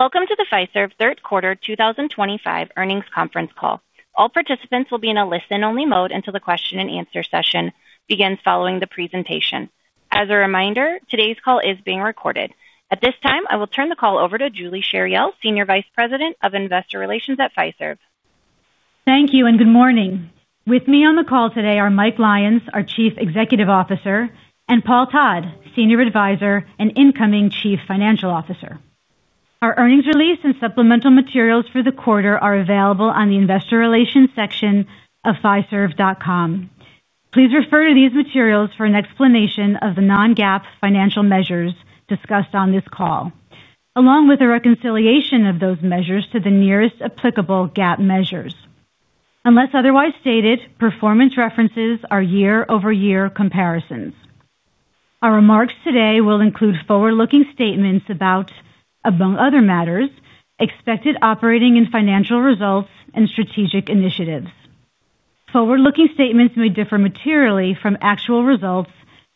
Welcome to the Fiserv third quarter 2025 earnings conference call. All participants will be in a listen only mode until the question and answer session begins following the presentation. As a reminder, today's call is being recorded. At this time, I will turn the call over to Julie Chariell, Senior Vice President of Investor Relations at Fiserv. Thank you and good morning. With me on the call today are Mike Lyons, our Chief Executive Officer, and Paul Todd, Senior Advisor and incoming Chief Financial Officer. Our earnings release and supplemental materials for the quarter are available on the Investor Relations section of fiserv.com. Please refer to these materials for an explanation of the non-GAAP financial measures discussed on this call along with a reconciliation of those measures to the nearest applicable GAAP measures. Unless otherwise stated, performance references are year over year comparisons. Our remarks today will include forward looking statements about, among other matters, expected operating and financial results and strategic initiatives. Forward looking statements may differ materially from actual results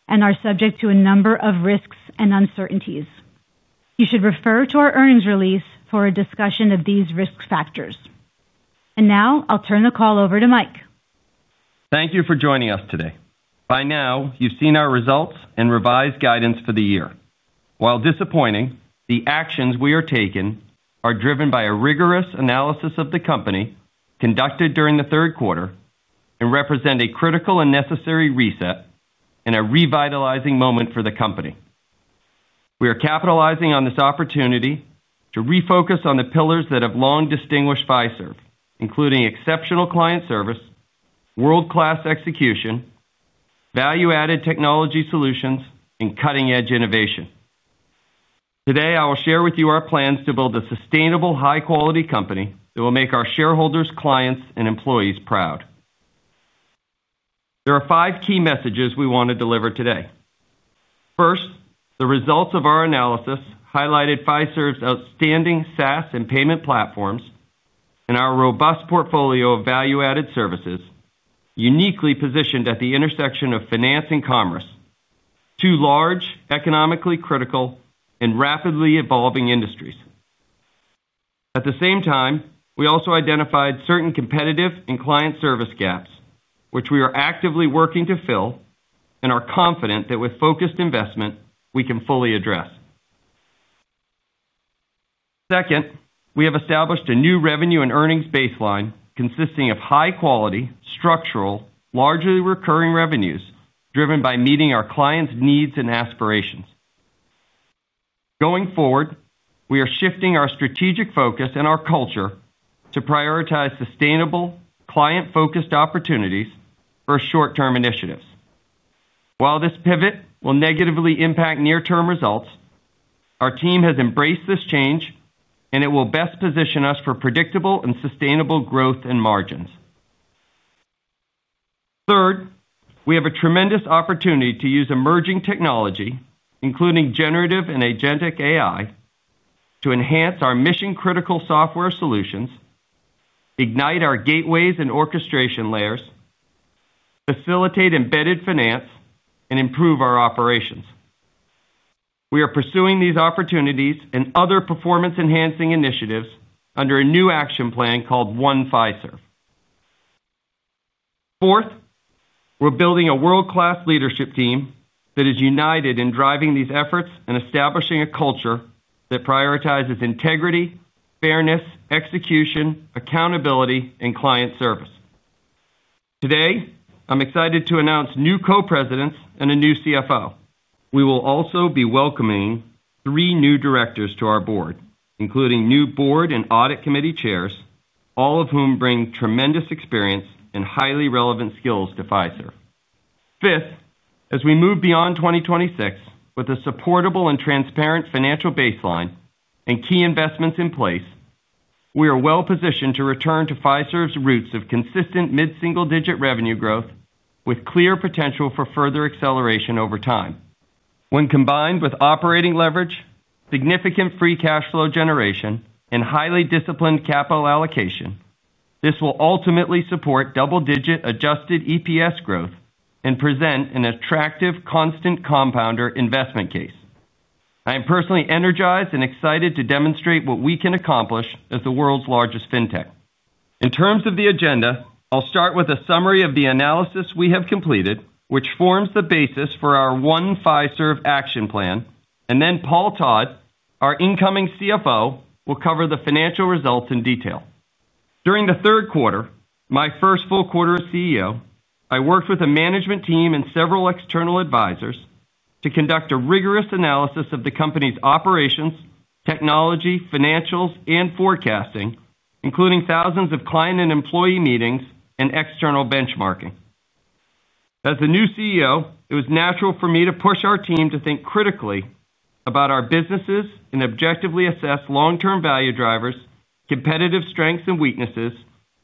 and are subject to a number of risks and uncertainties. You should refer to our earnings release for a discussion of these risk factors. Now I'll turn the call over. To Mike, thank you for joining us today. By now you've seen our results and revised guidance for the year. While disappointing, the actions we are taking are driven by a rigorous analysis of the company conducted during the third quarter and represent a critical and necessary reset and a revitalizing moment for the company. We are capitalizing on this opportunity to refocus on the pillars that have long distinguished Fiserv, including exceptional client service, world-class execution, value-added technology solutions, and cutting-edge innovation. Today I will share with you our plans to build a sustainable, high-quality company that will make our shareholders, clients, and employees proud. There are five key messages we want to deliver today. First, the results of our analysis highlighted Fiserv's outstanding SaaS and payment platforms and our robust portfolio of value-added services uniquely positioned at the intersection of finance and commerce, two large, economically critical, and rapidly evolving industries. At the same time, we also identified certain competitive and client service gaps which we are actively working to fill and are confident that with focused investment we can fully address. Second, we have established a new revenue and earnings baseline consisting of high-quality, structural, largely recurring revenues driven by meeting our clients' needs and aspirations. Going forward, we are shifting our strategic focus and our culture to prioritize sustainable, client-focused opportunities for short-term initiatives. While this pivot will negatively impact near-term results, our team has embraced this change and it will best position us for predictable and sustainable growth and margins. Third, we have a tremendous opportunity to use emerging technology, including generative and agentic AI, to enhance our mission. Critical software solutions ignite our gateways and orchestration layers, facilitate embedded finance, and improve our operations. We are pursuing these opportunities and other performance-enhancing initiatives under a new action plan called One Fiserv. Fourth, we're building a world-class leadership team that is united in driving these efforts and establishing a culture that prioritizes integrity, fairness, execution, accountability, and client service. Today I'm excited to announce new Co-Presidents and a new CFO. We will also be welcoming three new Directors to our Board, including new Board and Audit Committee Chairs, all of whom bring tremendous experience and highly relevant skills to Fiserv. Fifth, as we move beyond 2026 with a supportable and transparent financial baseline and key investments in place, we are well positioned to return to Fiserv's roots of consistent mid single digit revenue growth with clear potential for further acceleration over time. When combined with operating leverage, significant free cash flow generation, and highly disciplined capital allocation, this will ultimately support double digit adjusted EPS growth and present an attractive constant compounder investment case. I am personally energized and excited to demonstrate what we can accomplish as the world's largest fintech. In terms of the agenda, I'll start with a summary of the analysis we have completed, which forms the basis for our One Fiserv Action Plan, and then Paul Todd, our incoming CFO, will cover the financial results in detail. During the third quarter, my first full quarter as CEO, I worked with a management team and several external advisors to conduct a rigorous analysis of the company's operations, technology, financials, and forecasting, including thousands of client and employee meetings and external benchmarking. As the new CEO, it was natural for me to push our team to think critically about our businesses and objectively assess long term value drivers, competitive strengths and weaknesses,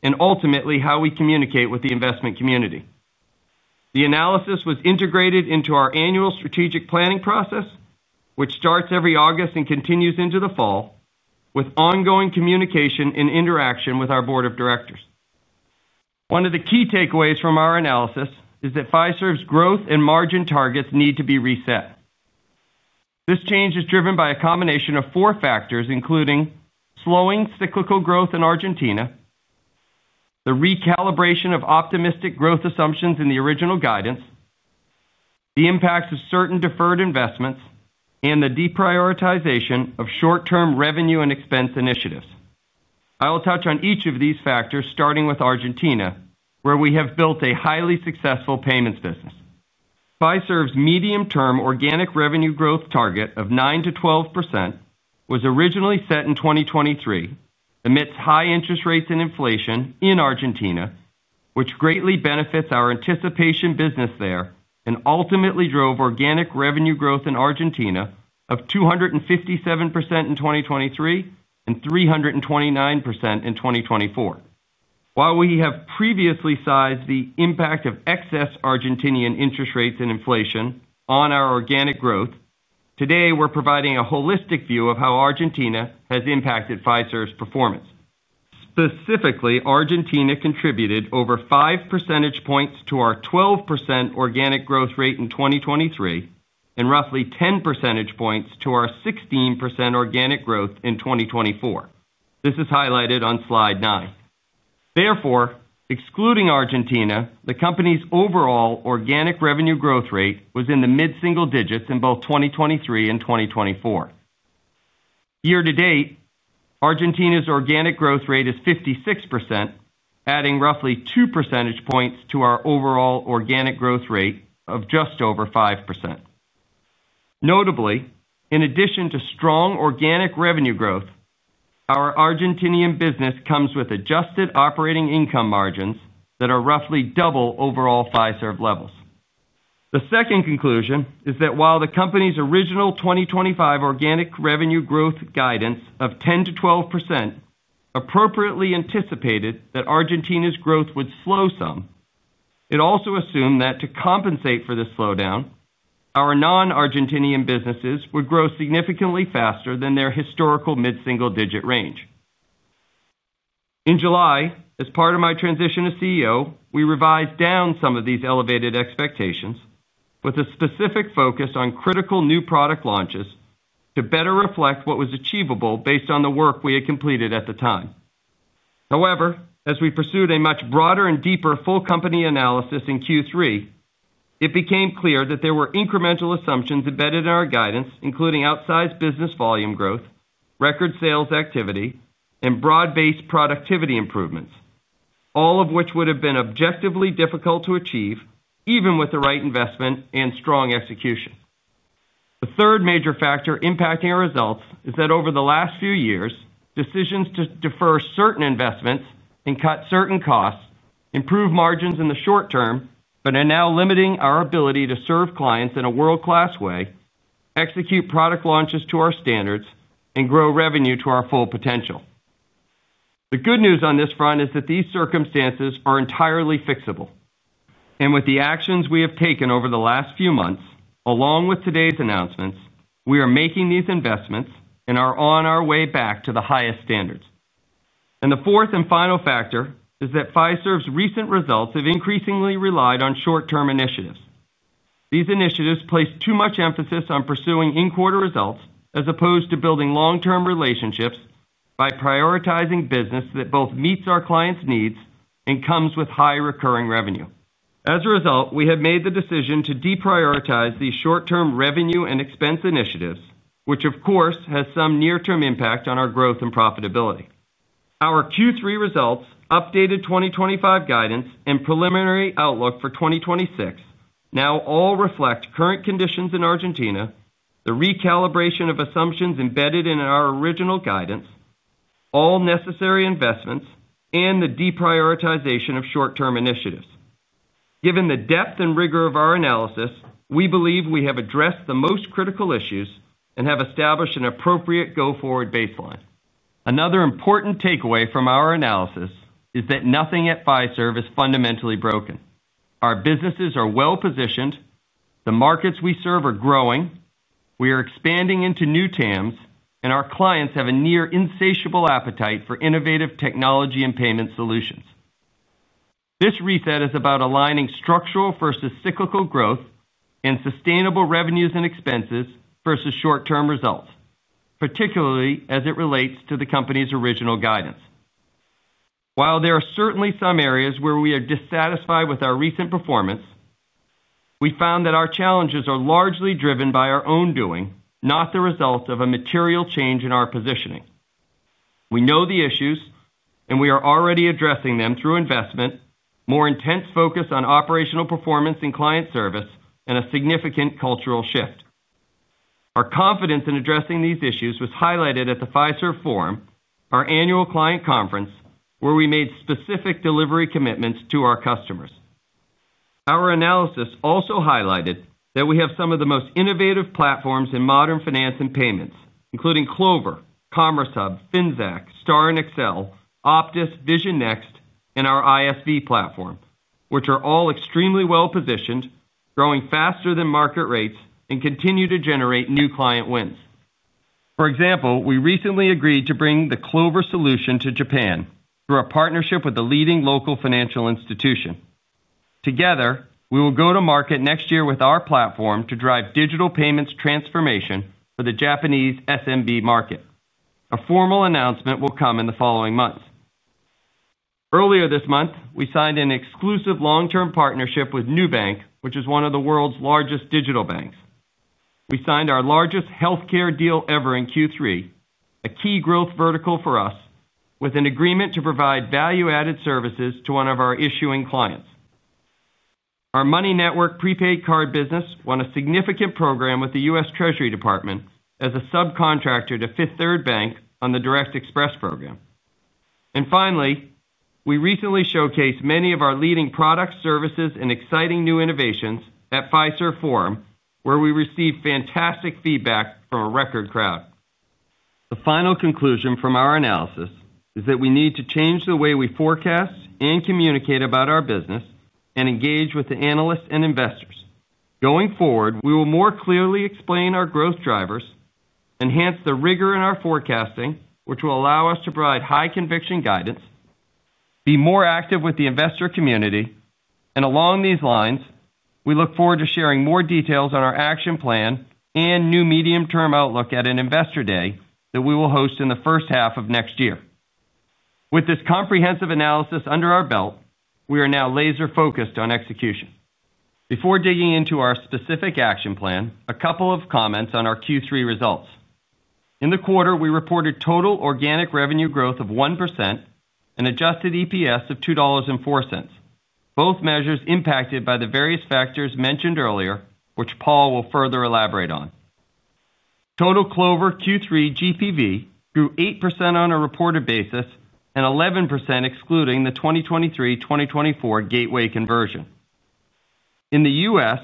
and ultimately how we communicate with the investment community. The analysis was integrated into our annual strategic planning process, which starts every August and continues into the fall with ongoing communication and interaction with our Board of Directors. One of the key takeaways from our analysis is that Fiserv's growth and margin targets need to be reset. This change is driven by a combination of four factors, including slowing cyclical growth in Argentina, the recalibration of optimistic growth assumptions in the original guidance, the impacts of certain deferred investments, and the deprioritization of short term revenue and expense initiatives. I will touch on each of these factors, starting with Argentina, where we have built a highly successful payments business. Fiserv's medium term organic revenue growth target of 9%-12% was originally set in 2023 amidst high interest rates and inflation in Argentina, which greatly benefits our anticipation business there and ultimately drove organic revenue growth in Argentina of 257% in 2023 and 329% in 2024. While we have previously sized the impact of excess Argentinian interest rates and inflation on our organic growth, today we're providing a holistic view of how Argentina has impacted Fiserv's performance. Specifically, Argentina contributed over 5 percentage points to our 12% organic growth rate in 2023 and roughly 10 percentage points to our 16% organic growth in 2024. This is highlighted on Slide 9. Therefore, excluding Argentina, the company's overall organic revenue growth rate was in the mid single digits in both 2023 and 2024. Year to date, Argentina's organic growth rate is 56%, adding roughly 2 percentage points to our overall organic growth rate of just over 5%. Notably, in addition to strong organic revenue growth, our Argentinian business comes with adjusted operating income margins that are roughly double overall Fiserv levels. The second conclusion is that while the company's original 2025 organic revenue growth guidance of 10%-12% appropriately anticipated that Argentina's growth would slow some, it also assumed that to compensate for this slowdown, our non-Argentinian businesses would grow significantly faster than their historical mid single digit range. In July, as part of my transition to CEO, we revised down some of these elevated expectations with a specific focus on critical new product launches to better reflect what was achievable based on the work we had completed at the time. However, as we pursued a much broader and deeper full company analysis in Q3, it became clear that there were incremental assumptions embedded in our guidance, including outsized business volume growth, record sales activity, and broad based productivity improvements, all of which would have been objectively difficult to achieve even with the right investment and strong execution. The third major factor impacting our results is that over the last few years, decisions to defer certain investments and cut certain costs improved margins in the short term, but are now limiting our ability to serve clients in a world class way, execute product launches to our standards, and grow revenue to our full potential. The good news on this front is that these circumstances are entirely fixable, and with the actions we have taken over the last few months along with today's announcements, we are making these investments and are on our way back to the highest standards. The fourth and final factor is that Fiserv's recent results have increasingly relied on short-term initiatives. These initiatives place too much emphasis on pursuing in-quarter results as opposed to building long-term relationships by prioritizing business that both meets our clients' needs and comes with high recurring revenue. As a result, we have made the decision to deprioritize these short-term revenue and expense initiatives, which of course has some near-term impact on our growth and profitability. Our Q3 results, updated 2025 guidance, and preliminary outlook for 2026 now all reflect current conditions in Argentina, the recalibration of assumptions embedded in our original guidance, all necessary investments, and the deprioritization of short-term initiatives. Given the depth and rigor of our analysis, we believe we have addressed the most critical issues and have established an appropriate go-forward baseline. Another important takeaway from our analysis is that nothing at Fiserv is fundamentally broken. Our businesses are well positioned, the markets we serve are growing, we are expanding into new TAMs, and our clients have a near insatiable appetite for innovative technology and payment solutions. This reset is about aligning structural versus cyclical growth and sustainable revenues and expenses versus short-term results, particularly as it relates to the company's original guidance. While there are certainly some areas where we are dissatisfied with our recent performance, we found that our challenges are largely driven by our own doing, not the result of a material change in our positioning. We know the issues, and we are already addressing them through investment, more intense focus on operational performance and client service, and a significant cultural shift. Our confidence in addressing these issues was highlighted at the Fiserv Forum, our annual client conference, where we made specific delivery commitments to our customers. Our analysis also highlighted that we have some of the most innovative platforms in modern finance and payments, including Clover, Commerce Hub, Finxact, Optis, VisionNext, and our ISV platform, which are all extremely well positioned, growing faster than market rates, and continue to generate new client wins. For example, we recently agreed to bring the Clover solution to Japan through a partnership with a leading local financial institution. Together, we will go to market next year with our platform to drive digital payments transformation for the Japanese SMB market. A formal announcement will come in the following months. Earlier this month, we signed an exclusive long-term partnership with Nubank, which is one of the world's largest digital banks. We signed our largest healthcare deal ever in Q3, a key growth vertical for us, with an agreement to provide value-added services to one of our issuing clients. Our Money Network prepaid card business won a significant program with the U.S. Treasury Department as a subcontractor to Fifth Third Bank on the Direct Express program. We recently showcased many of our leading products, services, and exciting new innovations at Fiserv Forum, where we received fantastic feedback from a record crowd. The final conclusion from our analysis is that we need to change the way we forecast and communicate about our business and engage with the analysts and investors. Going forward, we will more clearly explain our growth drivers, enhance the rigor in our forecasting, which will allow us to provide high conviction guidance, be more active with the investor community, and along these lines, we look forward to sharing more details on our action plan and new medium-term outlook at an Investor Day that we will host in the first half of next year. With this comprehensive analysis under our belt, we are now laser focused on execution. Before digging into our specific action plan, a couple of comments on our Q3 results. In the quarter, we reported total organic revenue growth of 1%, and adjusted EPS of $2.04, both measures impacted by the various factors mentioned earlier, which Paul will further elaborate on. Total Clover Q3 GPV grew 8% on a reported basis and 11% excluding the 2023-2024 gateway conversion. In the U.S.,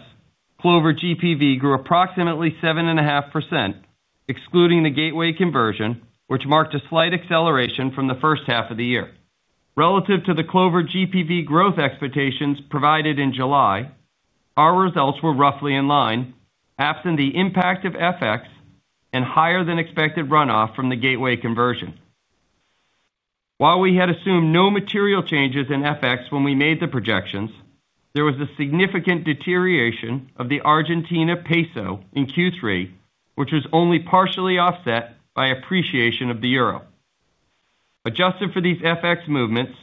Clover GPV grew approximately 7.5% excluding the gateway conversion, which marked a slight acceleration from the first half of the year relative to the Clover GPV growth expectations provided in July. Our results were roughly in line absent the impact of FX and higher than expected runoff from the Gateway conversion. While we had assumed no material changes in FX when we made the projections, there was a significant deterioration of the Argentina peso in Q3, which was only partially offset by appreciation of the Euro. Adjusted for these FX movements,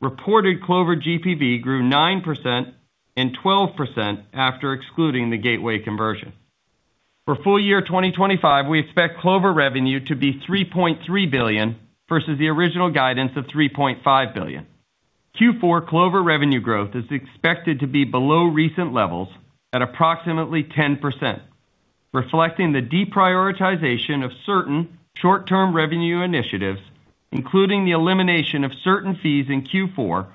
reported Clover GPV grew 9% and 12% after excluding the Gateway conversion. For full year 2025, we expect Clover revenue to be $3.3 billion versus the original guidance of $3.5 billion. Q4 Clover revenue growth is expected to be below recent levels at approximately 10%, reflecting the deprioritization of certain short-term revenue initiatives, including the elimination of certain fees in Q4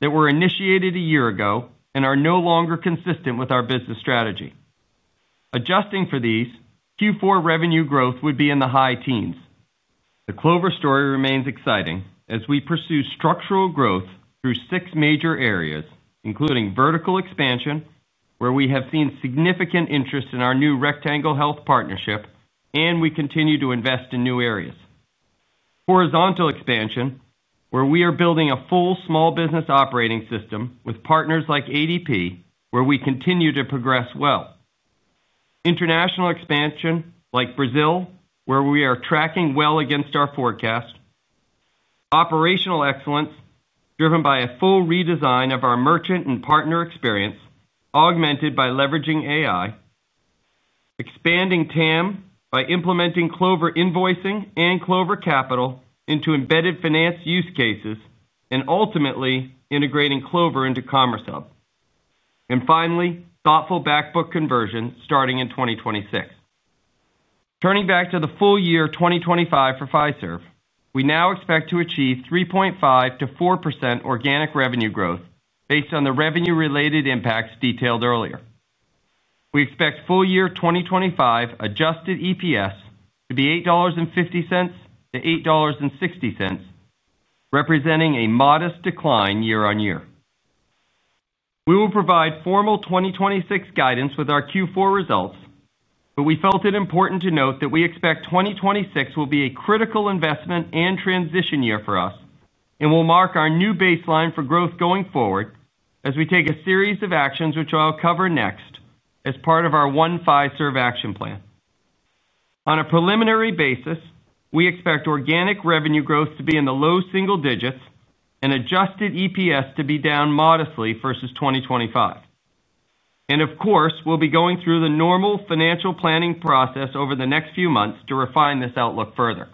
that were initiated a year ago and are no longer consistent with our business strategy. Adjusting for these, Q4 revenue growth would be in the high teens. The Clover story remains exciting as we pursue structural growth through six major areas, including vertical expansion where we have seen significant interest in our new Rectangle Health partnership and we continue to invest in new areas; horizontal expansion where we are building a full small business operating system with partners like ADP where we continue to progress well; international expansion like Brazil where we are tracking well against our forecast; operational excellence driven by a full redesign of our merchant and partner experience augmented by leveraging AI; expanding TAM by implementing Clover Invoicing and Clover Capital into embedded finance use cases; and ultimately integrating Clover into Commerce Hub and finally, thoughtful back book conversion starting in 2026. Turning back to the full year 2025 for Fiserv, we now expect to achieve 3.5%-4% organic revenue growth. Based on the revenue related impacts detailed earlier, we expect full year 2025 adjusted EPS to be $8.50-$8.60, representing a modest decline year on year. We will provide formal 2026 guidance with our Q4 results, but we felt it important to note that we expect 2026 will be a critical investment and transition year for us and will mark our new baseline for growth going forward as we take a series of actions which I'll cover next as part of our One Fiserv Action Plan. On a preliminary basis, we expect organic revenue growth to be in the low single digits and adjusted EPS to be down modestly versus 2025, and of course we'll be going through the normal financial planning process over the next few months. To refine this outlook further,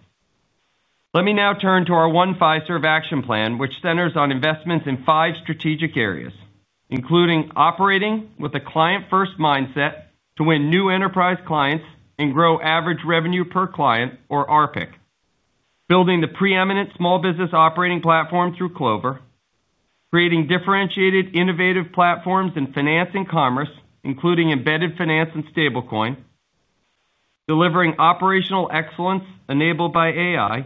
let me now turn to our One Fiserv Action Plan, which centers on investments in five strategic areas, including operating with a client-first mindset to win new enterprise clients and grow average revenue per client, or ARPIC, building the preeminent small business operating platform through Clover, creating differentiated innovative platforms in finance and commerce including embedded finance and stablecoin solutions, delivering operational excellence enabled by AI,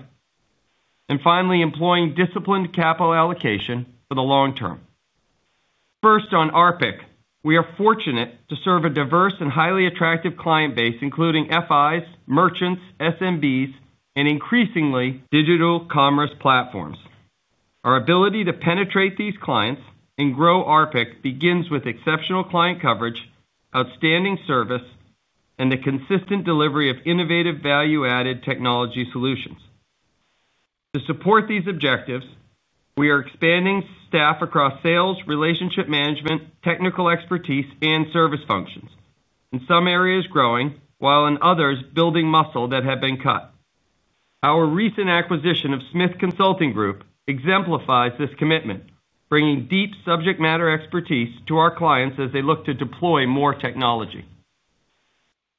and finally employing disciplined capital allocation for the long term. First, on ARPIC, we are fortunate to serve a diverse and highly attractive client base, including FIS merchants, SMBs, and increasingly digital commerce platforms. Our ability to penetrate these clients and grow ARPIC begins with exceptional client coverage, outstanding service, and the consistent delivery of innovative value-added technology solutions. To support these objectives, we are expanding staff across sales, relationship management, technical expertise, and service functions, in some areas growing while in others building muscle that had been cut. Our recent acquisition of Smith Consulting Group exemplifies this commitment, bringing deep subject matter expertise to our clients as they look to deploy more technology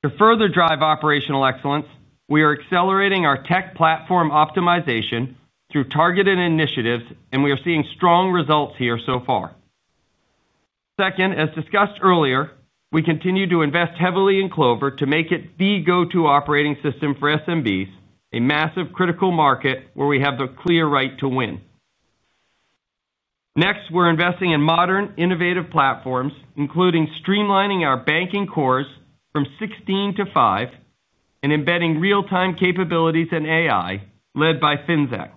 to further drive operational excellence. We are accelerating our tech platform optimization through targeted initiatives, and we are seeing strong results here so far. Second, as discussed earlier, we continue to invest heavily in Clover to make it the go-to operating system for SMBs, a massive critical market where we have the clear right to win. Next, we're investing in modern innovative platforms, including streamlining our banking cores from 16 to 5 and embedding real-time capabilities and AI. Led by Finxact,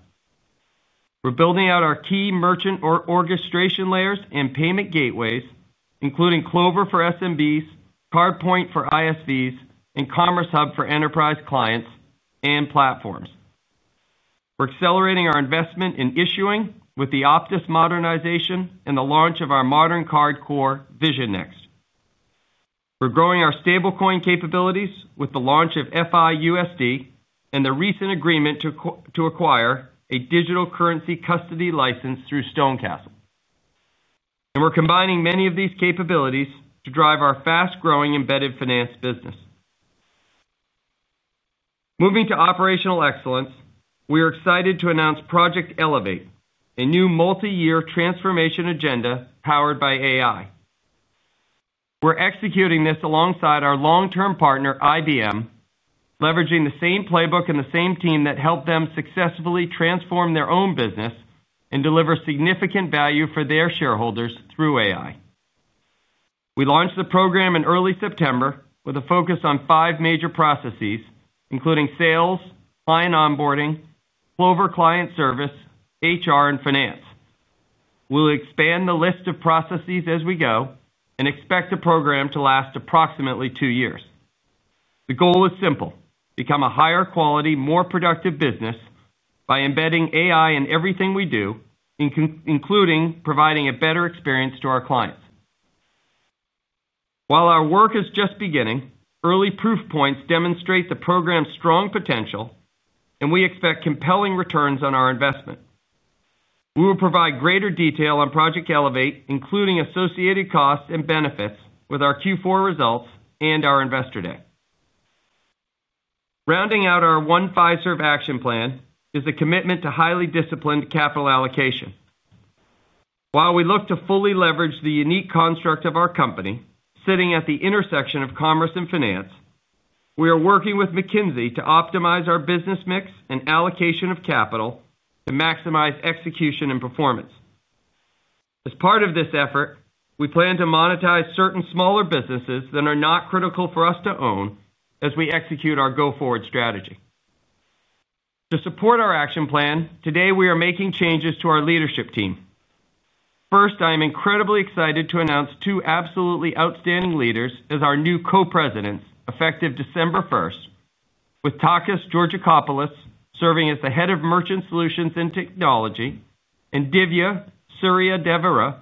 we're building out our key merchant orchestration layers and payment gateways, including Clover for SMBs, CardFree for ISVs, and Commerce Hub for enterprise clients and platforms. We're accelerating our investment in issuing with the Optis modernization and the launch of our modern card core, VisionNext. We're growing our stablecoin capabilities with the launch of Fi USD and the recent agreement to acquire a digital currency custody license through StoneCastle, and we're combining many of these capabilities to drive our fast-growing embedded finance business. Moving to Operational Excellence, we are excited to announce Project Elevate, a new multi-year transformation agenda powered by AI. We're executing this alongside our long-term partner IBM, leveraging the same playbook and the same team that helped them successfully transform their own business and deliver significant value for their shareholders through AI. We launched the program in early September with a focus on five major processes, including sales, client onboarding, Clover client service, HR, and finance. We'll expand the list of processes as we go and expect the program to last approximately two years. The goal is simple: become a higher quality, more productive business by embedding AI in everything we do, including providing a better experience to our clients. While our work is just beginning, early proof points demonstrate the program's strong potential, and we expect compelling returns on our investment. We will provide greater detail on Project Elevate, including associated costs and benefits, with our Q4 results and our investor day. Rounding out our One Fiserv action plan is a commitment to highly disciplined capital allocation. While we look to fully leverage the unique construct of our company sitting at the intersection of commerce and finance, we are working with McKinsey to optimize our business mix and allocation of capital to maximize execution and performance. As part of this effort, we plan to monetize certain smaller businesses that are not critical for us to own. As we execute our go-forward strategy to support our action plan today, we are making changes to our leadership team. First, I am incredibly excited to announce two absolutely outstanding leaders as our new Co-Presidents effective December 1, with Takis Georgiakopoulos serving as the Head of Merchant Solutions and Technology and Divya Suryadevara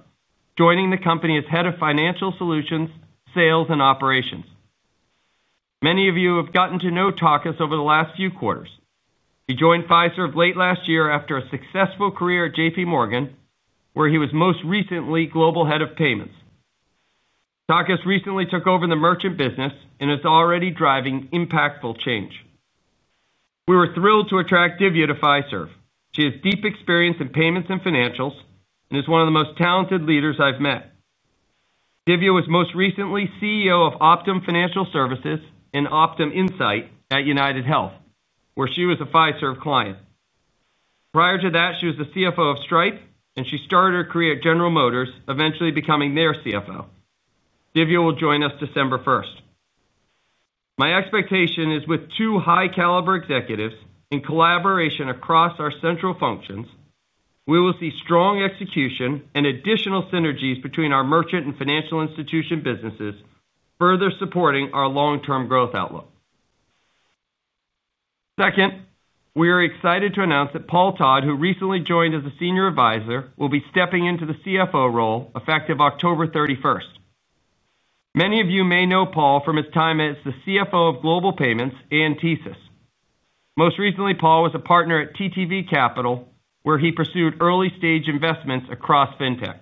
joining the company as Head of Financial Solutions, Sales, and Operations. Many of you have gotten to know Takis over the last few quarters. He joined Fiserv late last year after a successful career at JP Morgan, where he was most recently Global Head of Payments. Takis recently took over the merchant business and is already driving impactful change. We were thrilled to attract Divya to Fiserv. She has deep experience in payments and Financials and is one of the most talented leaders I've met. Divya was most recently CEO of Optum Financial Services and Optum Insight at UnitedHealth where she was a Fiserv client. Prior to that she was the CFO of Stripe and she started her career at General Motors eventually becoming their CFO. Divya will join us December 1st. My expectation is with two high caliber executives in collaboration across our central functions, we will see strong execution and additional synergies between our merchant and financial institution businesses, further supporting our long term growth outlook. Second, we are excited to announce that Paul Todd, who recently joined as a Senior Advisor, will be stepping into the CFO role effective October 31st. Many of you may know Paul from his time as the CFO of Global Payments and Thesis. Most recently Paul was a Partner at TTV Capital where he pursued early stage investments across Fintech.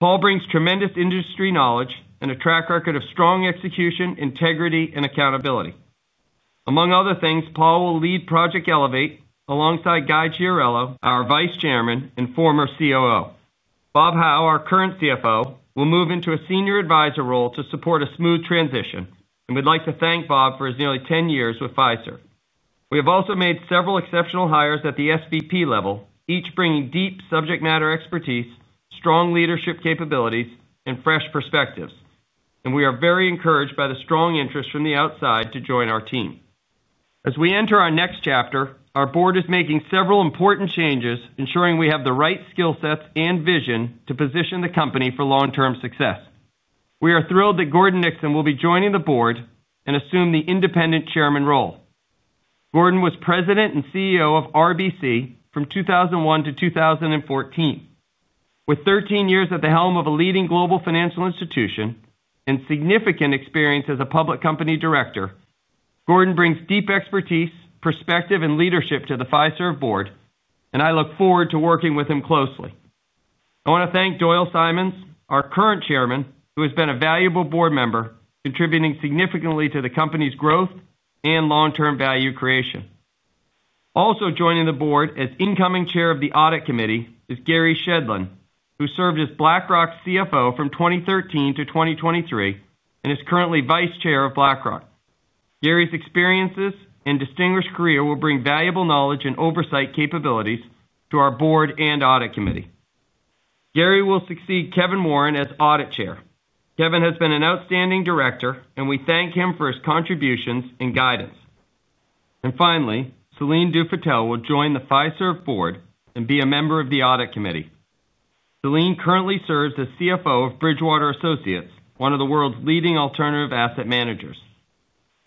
Paul brings tremendous industry knowledge and a track record of strong execution, integrity, and accountability, among other things. Paul will lead Project Elevate alongside Guy Chiarello, our Vice Chairman and former COO. Bob Hau, our current CFO, will move into a Senior Advisor role to support a smooth transition and we'd like to thank Bob for his nearly 10 years with Fiserv. We have also made several exceptional hires at the SVP level, each bringing deep subject matter expertise, strong leadership capabilities, and fresh perspectives, and we are very encouraged by the strong interest from the outside to join our team. As we enter our next chapter, our Board is making several important changes ensuring we have the right skill sets and vision to position the company for long term success. We are thrilled that Gordon Nixon will be joining the Board and assume the Independent Chairman role. Gordon was President and CEO of RBC from 2001 to 2014. With 13 years at the helm of a leading global financial institution and significant experience as a public company Director, Gordon brings deep expertise, perspective, and leadership to the Fiserv Board and I look forward to working with him closely. I want to thank Doyle Simons, our current Chairman, who has been a valuable Board member contributing significantly to the company's growth and long term value creation. Also joining the Board as incoming Chair of the Audit Committee is Gary Shedlin, who served as BlackRock CFO from 2013 to 2023 and is currently Vice Chair of BlackRock. Gary's experiences and distinguished career will bring valuable knowledge and oversight capabilities to our Board and Audit Committee. Gary will succeed Kevin Warren as Audit Chair. Kevin has been an outstanding Director, and we thank him for his contributions and guidance. Finally, Celine Dufatel will join the Fiserv Board and be a member of the Audit Committee. Celine currently serves as CFO of Bridgewater Associates, one of the world's leading alternative asset managers.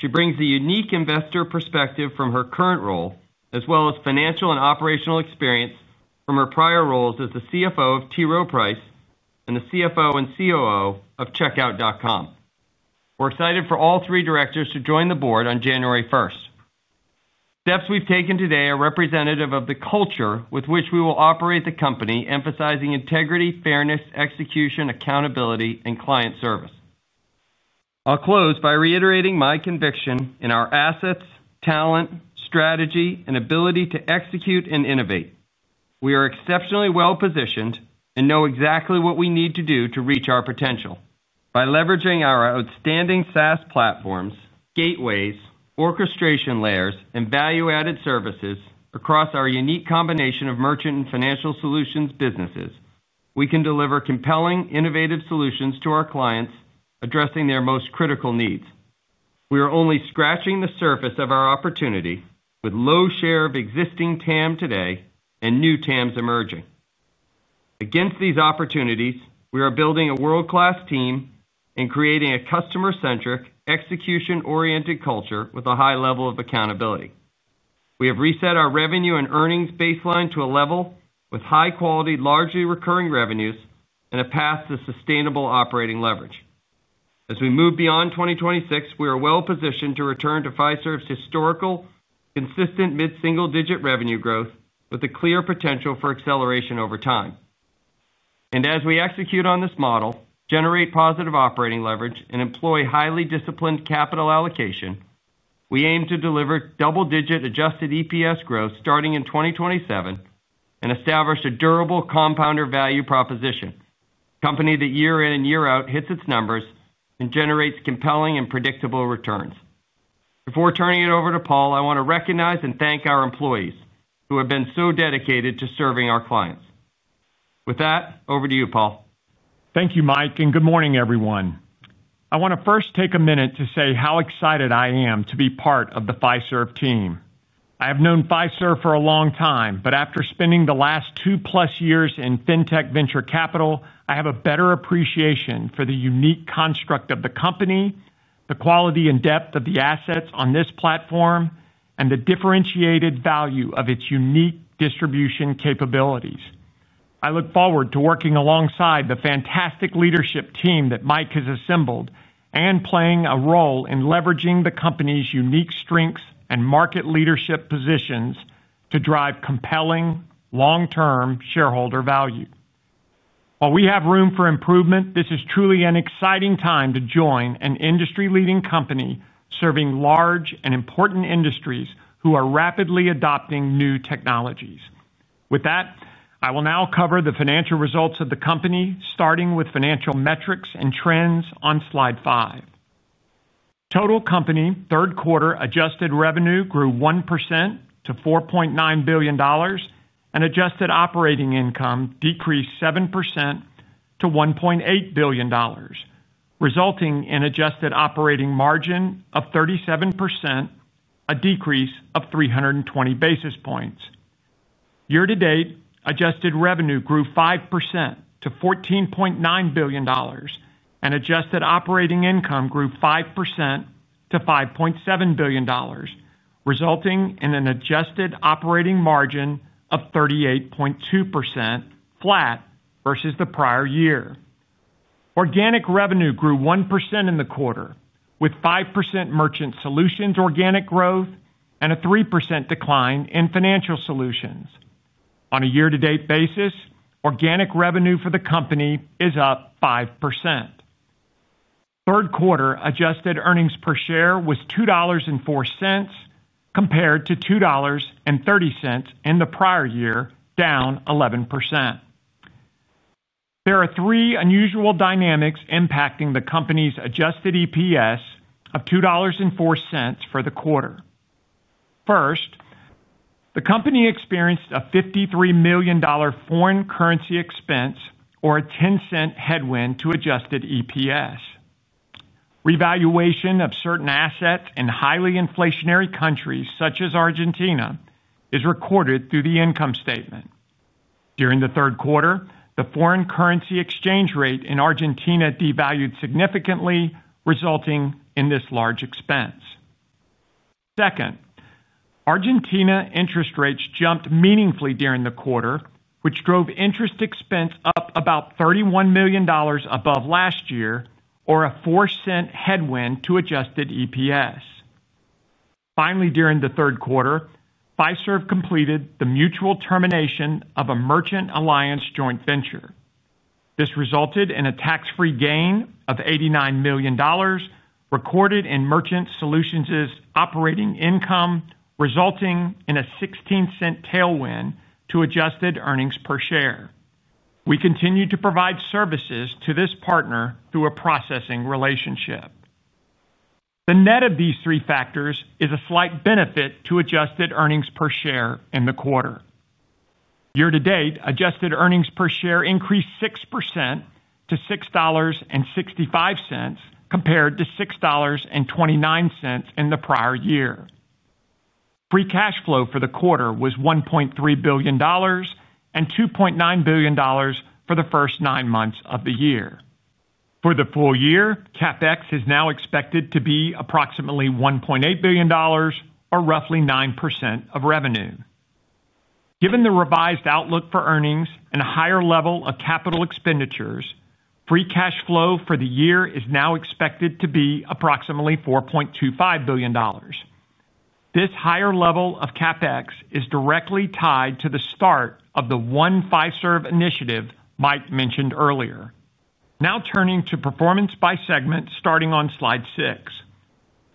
She brings a unique investor perspective from her current role as well as financial and operational experience from her prior roles as the CFO of T. Rowe Price and the CFO and COO of Checkout.com. We're excited for all three directors to join the Board on January 1. Steps we've taken today are representative of the culture with which we will operate the company, emphasizing integrity, fairness, execution, accountability, and client service. I'll close by reiterating my conviction in our assets, talent, strategy, and ability to execute and innovate. We are exceptionally well positioned and know exactly what we need to do to reach our potential. By leveraging our outstanding SaaS, platforms, gateways, orchestration layers, and value-added services across our unique combination of Merchant and Financial Solutions businesses, we can deliver compelling, innovative solutions to our clients addressing their most critical needs. We are only scratching the surface of our opportunity with low share of existing TAM today and new TAMs emerging. Against these opportunities, we are building a world-class team and creating a customer-centric, execution-oriented culture with a high level of accountability. We have reset our revenue and earnings baseline to a level with high-quality, largely recurring revenues and a path to sustainable operating leverage. As we move beyond 2026, we are well positioned to return to Fiserv's historical consistent mid-single-digit revenue growth with a clear potential for acceleration over time, and as we execute on this model, generate positive operating leverage and employ highly disciplined capital allocation. We aim to deliver double-digit adjusted EPS growth starting in 2027 and establish a durable compounder value proposition company that year in and year out hits its numbers and generates compelling and predictable returns. Before turning it over to Paul, I want to recognize and thank our employees who have been so dedicated to serving our clients. With that, over to you, Paul. Thank you, Mike, and good morning, everyone. I want to first take a minute to say how excited I am to be part of the Fiserv team. I have known Fiserv for a long time, but after spending the last two plus years in Fintech Venture Capital, I have a better appreciation for the unique construct of the company, the quality and depth of the assets on this platform, and the differentiated value of its unique distribution capabilities. I look forward to working alongside the fantastic leadership team that Mike has assembled and playing a role in leveraging the company's unique strengths and market leadership positions to drive compelling long-term shareholder value. While we have room for improvement, this is truly an exciting time to join an industry-leading company serving large and important industries who are rapidly adopting new technologies. With that, I will now cover the financial results of the company, starting with financial metrics and trends on Slide 5. Total Company third quarter adjusted revenue grew 1% to $4.9 billion, and adjusted operating income decreased 7% to $1.8 billion, resulting in adjusted operating margin of 37%, a decrease of 320 basis points. Year to date, adjusted revenue grew 5% to $14.9 billion, and adjusted operating income grew 5% to $5.7 billion, resulting in an adjusted operating margin of 38.2%, flat versus the prior year. Organic revenue grew 1% in the quarter, with 5% Merchant Solutions organic growth and a 3% decline in Financial Solutions on a year-to-date basis. Organic revenue for the company is up. Third quarter adjusted earnings per share was $2.04 compared to $2.30 in the prior year, down 11%. There are three unusual dynamics impacting the company's adjusted EPS of $2.04 for the quarter. First, the company experienced a $53 million foreign currency expense, or a $0.10 headwind to adjusted EPS. Revaluation of certain assets in highly inflationary countries such as Argentina is recorded through the income statement. During the third quarter, the foreign currency exchange rate in Argentina devalued significantly, resulting in this large expense. Second, Argentina interest rates jumped meaningfully during the quarter, which drove interest expense up about $31 million above last year, or a $0.04 headwind to adjusted EPS. Finally, during the third quarter, Fiserv completed the mutual termination of a merchant alliance joint venture. This resulted in a tax-free gain of $89 million recorded in Merchant Solutions operating income, resulting in a $0.16 tailwind to adjusted EPS. We continue to provide services to this partner through a processing relationship. The net of these three factors is a slight benefit to adjusted EPS. In the quarter year to date, adjusted EPS increased 6% to $6.65 compared to $6.29 in the prior year. Free cash flow for the quarter was $1.3 billion and $2.9 billion for the first nine months of the year. For the full year, CapEx is now expected to be approximately $1.8 billion or roughly 9% of revenue. Given the revised outlook for earnings and a higher level of capital expenditures, free cash flow for the year is now expected to be approximately $4.25 billion. This higher level of CapEx is directly tied to the start of the One Fiserv initiative Mike mentioned earlier. Now turning to performance by segment, starting on Slide 6,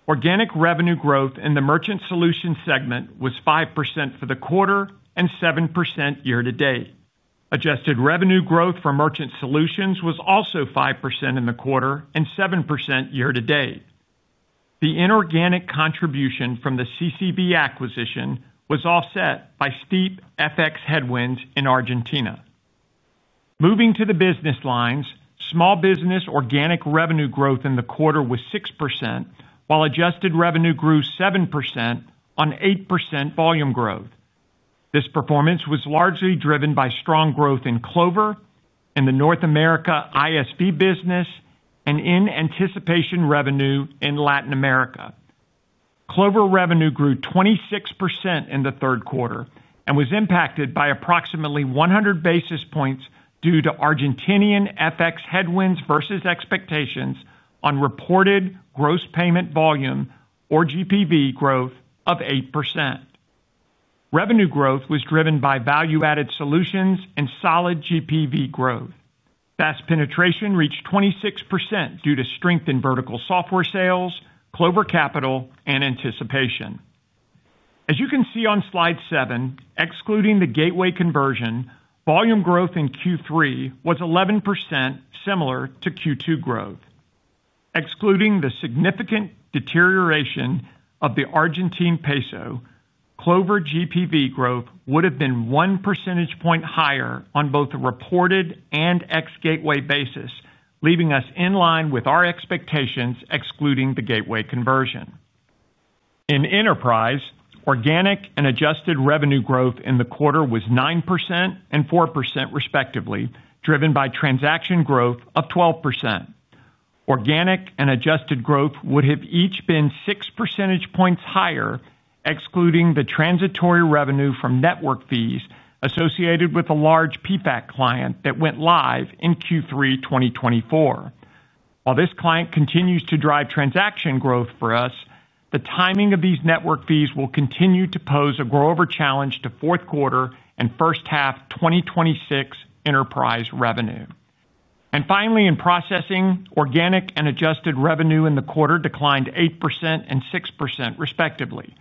organic revenue growth in the Merchant Solutions segment was 5% for the quarter and 7% year to date. Adjusted revenue growth for Merchant Solutions was also 5% in the quarter and 7% year to date. The inorganic contribution from the CCB acquisition was offset by steep FX headwinds in Argentina. Moving to the business lines, small business organic revenue growth in the quarter was 6% while adjusted revenue grew 7% on 8% volume growth. This performance was largely driven by strong growth in Clover, in the North America ISV business, and in anticipation revenue in Latin America. Clover revenue grew 26% in the third quarter and was impacted by approximately 100 basis points due to Argentinian FX headwinds versus expectations on reported gross payment volume, or GPV, growth of 8%. Revenue growth was driven by value-added solutions and solid GPV growth. Fast penetration reached 26% due to strength in vertical software sales, Clover Capital, and anticipation. As you can see on Slide 7, excluding the Gateway conversion, volume growth in Q3 was 11%, similar to Q2 growth. Excluding the significant deterioration of the Argentine peso, Clover GPV growth would have been 1 percentage point higher on both a reported and ex-Gateway basis, leaving us in line with our expectations. Excluding the Gateway conversion in enterprise, organic and adjusted revenue growth in the quarter was 9% and 4%, respectively, driven by transaction growth of 12%. Organic and adjusted growth would have each been 6 percentage points higher excluding the transitory revenue from network fees associated with a large PFAT client that went live in Q3 2024. While this client continues to drive transaction growth for us, the timing of these network fees will continue to pose a grow over challenge to fourth quarter and first half 2026 Enterprise Revenue. Finally, in processing, organic and adjusted revenue in the quarter declined 8% and 6% respectively.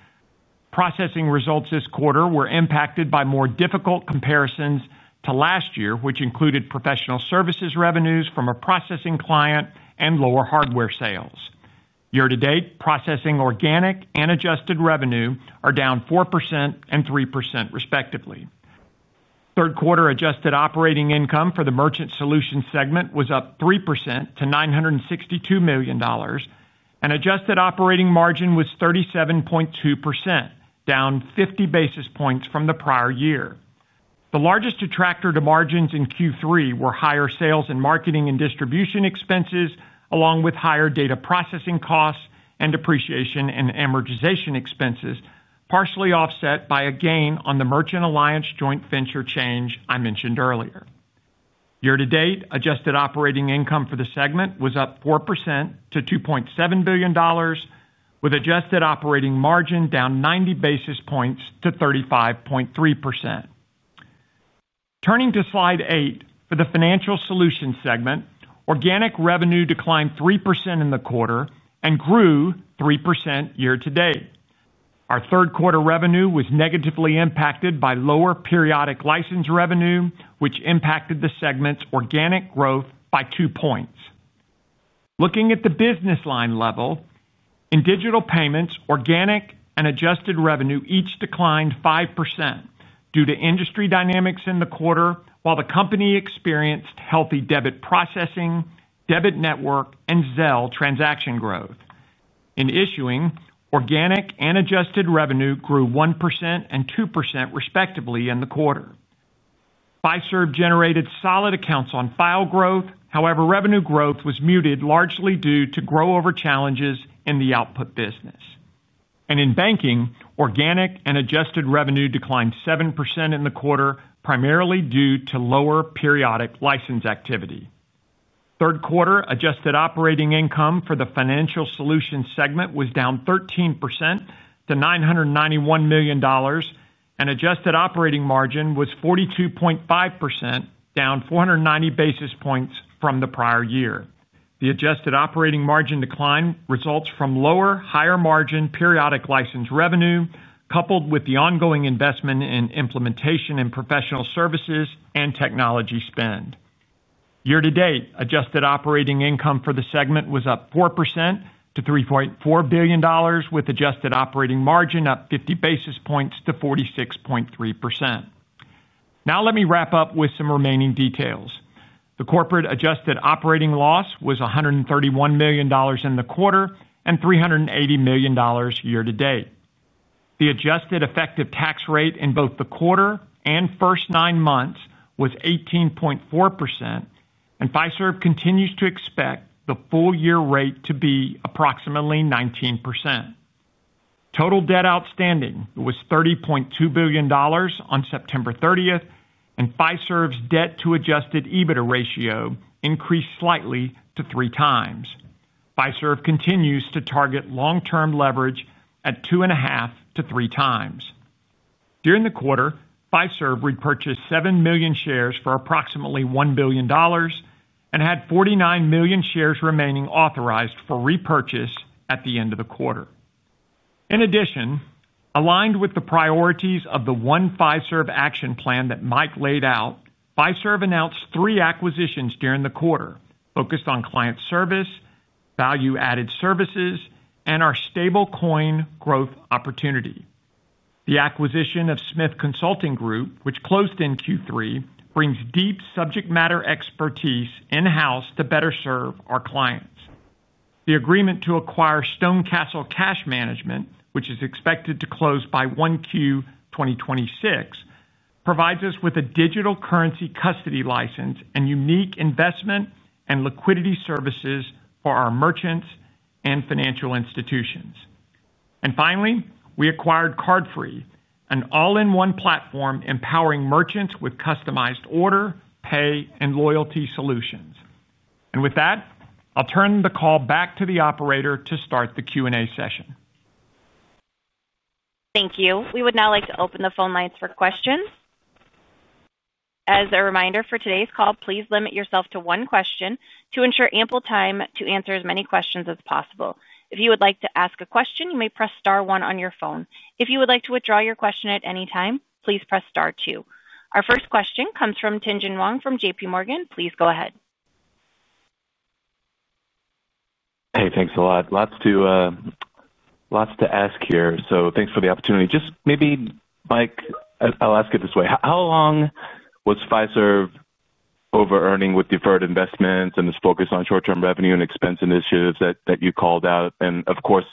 Processing results this quarter were impacted by more difficult comparisons to last year, which included professional services revenues from a processing client and lower hardware sales. Year to date, processing organic and adjusted revenue are down 4% and 3% respectively. Third quarter adjusted operating income for the Merchant Solutions segment was up 3% to $962 million and adjusted operating margin was 37.2%, down 50 basis points from the prior year. The largest detractor to margins in Q3 were higher sales and marketing and distribution expenses along with higher data processing costs and depreciation and amortization expenses, partially offset by a gain on the merchant alliance joint venture change I mentioned earlier. Year to date, adjusted operating income for the segment was up 4% to $2.7 billion with adjusted operating margin down 90 basis points to 35.3%. Turning to Slide 8 for the Financial Solutions segment, organic revenue declined 3% in the quarter and grew 3% year to date. Our third quarter revenue was negatively impacted by lower periodic license revenue, which impacted the segment's organic growth by 2 points. Looking at the business line level, in digital payments, organic and adjusted revenue each declined 5% due to industry dynamics in the quarter, while the company experienced healthy debit processing, Debit Network, and Zelle transaction growth. In issuing, organic and adjusted revenue grew 1% and 2% respectively in the quarter. Fiserv generated solid accounts on file growth. However, revenue growth was muted largely due. To grow over challenges in the output business and in banking. Organic and adjusted revenue declined 7% in the quarter, primarily due to lower periodic license activity. Third quarter adjusted operating income for the Financial Solutions segment was down 13% to $991 million, and adjusted operating margin was 42.5%, down 490 basis points from the prior year. The adjusted operating margin decline results from lower higher margin periodic license revenue, coupled with the ongoing investment in implementation and professional services and technology spend year to date. Adjusted operating income for the segment was up 4% to $3.4 billion, with adjusted operating margin up 50 basis points to 46.3%. Now let me wrap up with some remaining details. The corporate adjusted operating loss was $131 million in the quarter and $380 million year to date. The adjusted effective tax rate in both the quarter and first nine months was 18.4%, and Fiserv continues to expect the full year rate to be approximately 19%. Total debt outstanding was $30.2 billion on September 30, and Fiserv's debt to adjusted EBITDA ratio increased slightly to three times. Fiserv continues to target long-term leverage at 2.5 to 3 times. During the quarter, Fiserv repurchased 7 million shares for approximately $1 billion and had 49 million shares remaining authorized for repurchase at the end of the quarter. In addition, aligned with the priorities of the One Fiserv Action Plan that Mike laid out, Fiserv announced three acquisitions during the quarter focused on client service, value-added services, and our stablecoin growth opportunity. The acquisition of Smith Consulting Group, which closed in Q3, brings deep subject matter expertise in-house to better serve our clients. The agreement to acquire StoneCastle Cash Management, which is expected to close by Q1 2026, provides us with a digital currency custody license and unique investment and liquidity services for our merchants and financial institutions. Finally, we acquired CardFree, an all-in-one platform empowering merchants with customized order, pay, and loyalty solutions. With that, I'll turn the call back to the operator to start the Q&A session. Thank you. We would now like to open the phone lines for questions. As a reminder for today's call, please limit yourself to one question to ensure ample time to answer as many questions as possible. If you would like to ask a question, you may press Star one on your phone. If you would like to withdraw your question at any time, please press Star two. Our first question comes from Tien-Tsin Huang from J.P.Morgan. Please go ahead. Hey, thanks a lot to ask here. Thanks for the opportunity. Maybe Mike, I'll ask it this way. How long was Fiserv over earning with deferred investments and this focus on short term revenue and expense initiatives that you called out? Of course,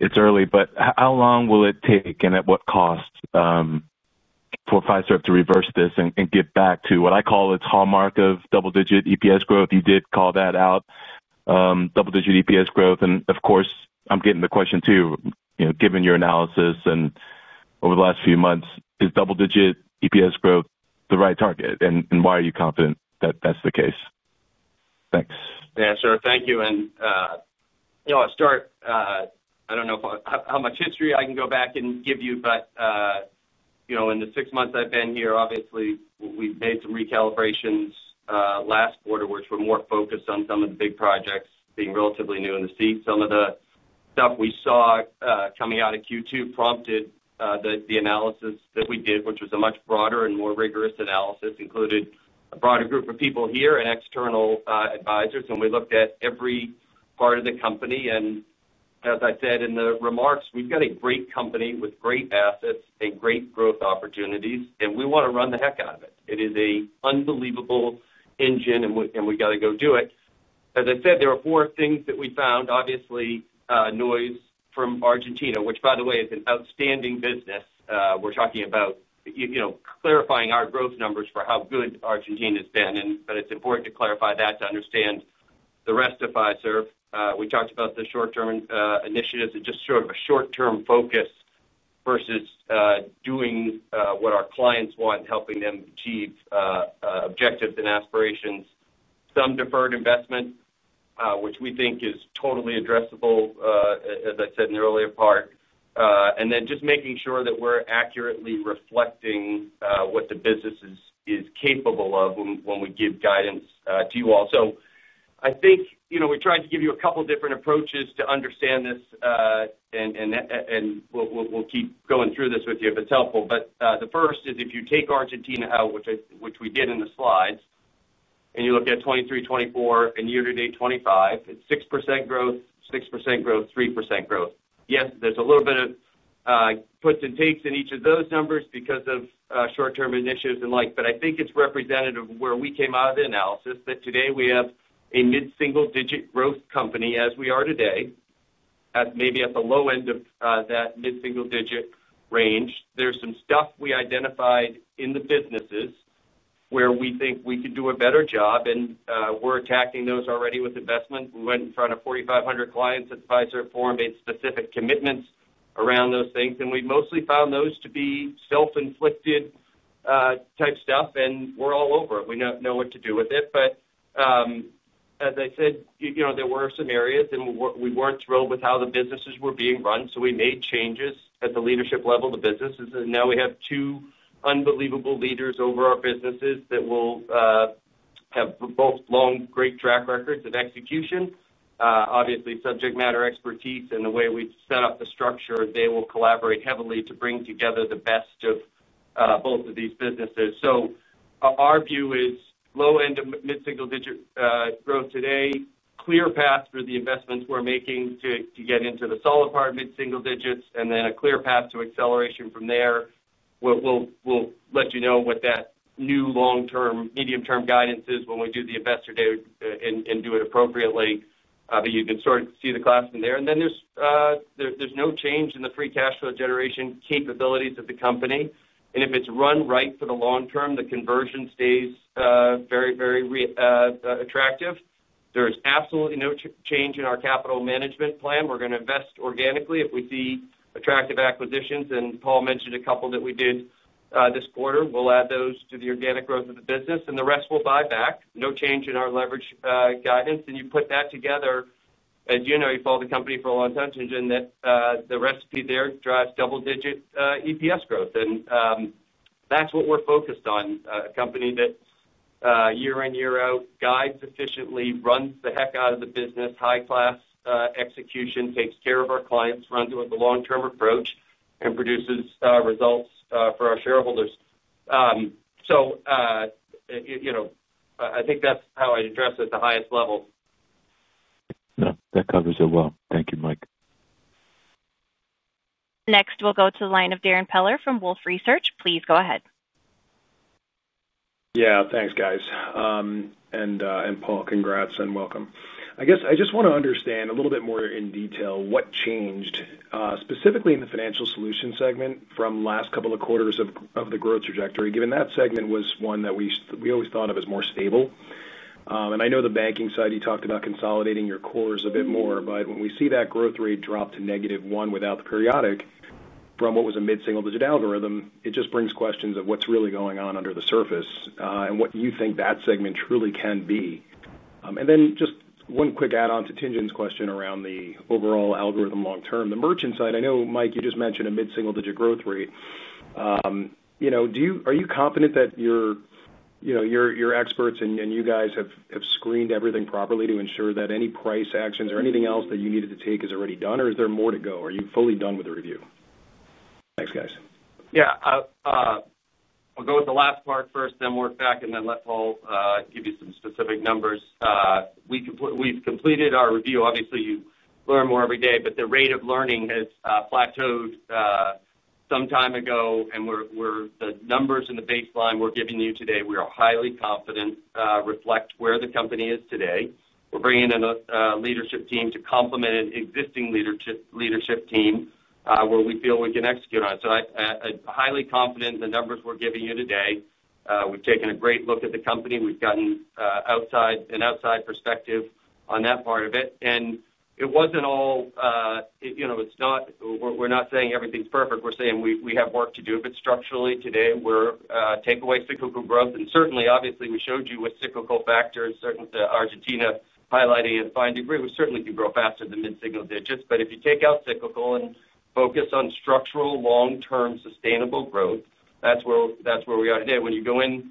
it's early, but how long will it take and at what cost for Fiserv to reverse this and get back to what I call its hallmark of double digit EPS growth? You did call that out, double digit EPS growth. I'm getting the question too, given your analysis and over the last few months, is double digit EPS growth the right target? Why are you confident that that's the case? Thanks. Yeah, sure. Thank you. I'll start. I don't know how much history I can go back and give you, but in the six months I've been here, we've made some recalibrations last quarter which were more focused on some of the big projects being relatively new in the seat. Some of the stuff we saw coming out of Q2 prompted the analysis that we did, which was a much broader and more rigorous analysis, included a group of people here and external advisors, and we looked at every part of the company. As I said in the remarks, we've got a great company with great assets and great growth opportunities and we want to run the heck out of it. It is an unbelievable engine and we've got to go do it. As I said, there are four things that we found: obviously noise from Argentina, which by the way is an outstanding business. We're talking about clarifying our growth numbers for how good Argentina has been, but it's important to clarify that to understand the rest of Fiserv. We talked about the short term initiatives, just sort of a short term focus versus doing what our clients want, helping them achieve objectives and aspirations, some deferred investment which we think is totally addressable, as I said in the earlier part, and then just making sure that we're accurately reflecting what the business is capable of when we give guidance to you all. I think we tried to give you a couple different approaches to understand this and we'll keep going through this with you if it's helpful. The first is if you take Argentina out, which we did in the slides, and you look at 2023, 2024, and year to date 2025, it's 6% growth, 6% growth, 3% growth. Yes, there's a little bit of puts and takes in each of those numbers because of short term initiatives and like. I think it's representative where we came out of the analysis that today we have a mid single digit growth company as we are today, maybe at the low end of that mid single digit range. There is some stuff we identified in the businesses where we think we could do a better job and we're attacking those already with investment. We went in front of 4,500 clients, advisor for specific commitments around those things, and we mostly found those to be self-inflicted type stuff. We're all over it, we know what to do with it. As I said, there were some areas and we weren't thrilled with how the businesses were being run. We made changes at the leadership level of the businesses and now we have two unbelievable leaders over our businesses that both have long great track records of execution, obviously subject matter expertise, and the way we set up the structure, they will collaborate heavily to bring together the best of both of these businesses. Our view is low end of mid single digit growth today, clear path for the investments we're making to get into the solid part of mid single digits, and then a clear path to acceleration from there. We'll let you know what that new long term, medium term guidance is when we do the investor day and do it appropriately. You can sort of see the class in there and then there's no change in the free cash flow generation capabilities of the company. If it's run right for the long term, the conversion stays very, very attractive. There is absolutely no change in our capital management plan. We're going to invest organically. If we see attractive acquisitions, and Paul mentioned a couple that we did this quarter, we'll add those to the organic growth of the business and the rest we'll buy back. No change in our leverage guidance. You put that together, as you know, you follow the company for a long time, that the recipe there drives double digit EPS growth and that's what we're focused on. A company that year in, year out guides efficiently, runs the heck out of the business, high class execution, takes care of our clients, runs it with a long term approach, and produces results for our shareholders. I think that's how I address it at the highest level, that covers it. Thank you, Mike. Next we'll go to the line of Darrin Peller from Wolfe Research. Please go ahead. Yeah, thanks guys, and Paul, congrats and welcome. I guess I just want to understand a little bit more in detail what. Changed specifically in the Financial Solutions segment. From last couple of quarters of the growth trajectory. Given that segment was one that we always thought of as more stable. I know the banking side you. Talked about consolidating your cores a bit. When we see that growth. Rate drop to negative one without the. Periodic from what was a mid single. Digit algorithm, it just brings questions of what's really going on under the surface. What you think that segment truly can be. Just one quick add on. To Tien-Tsin's question around the overall algorithm. Long term, the merchant side. I know Mike, you just mentioned. Mid single digit growth rate. Are you confident? That your experts and. You guys have screened everything properly too. Ensure that any price actions or anything. Else that you needed to take is. Already done or is there more to go? Are you fully done with the review? Thanks guys. I'll go with the last part first, then work back and then let Paul give you some specific numbers. We've completed our review. Obviously you learn more every day, but the rate of learning has plateaued some time ago. The numbers and the baseline we're giving you today, we are highly confident reflect where the company is today. We're bringing in a leadership team to complement an existing leadership team where we feel we can execute on it. I'm highly confident in the numbers we're giving you today. We've taken a great look at the company, we've gotten an outside perspective on that part of it and it wasn't all, you know, we're not saying everything's perfect, we're saying we have work to do. Structurally today, take away cyclical growth and obviously we showed you with cyclical factors, certainly Argentina highlighting a fine degree, we certainly can grow faster than mid single digits. If you take out cyclical and focus on structural long term sustainable growth, that's where we are today. When you go into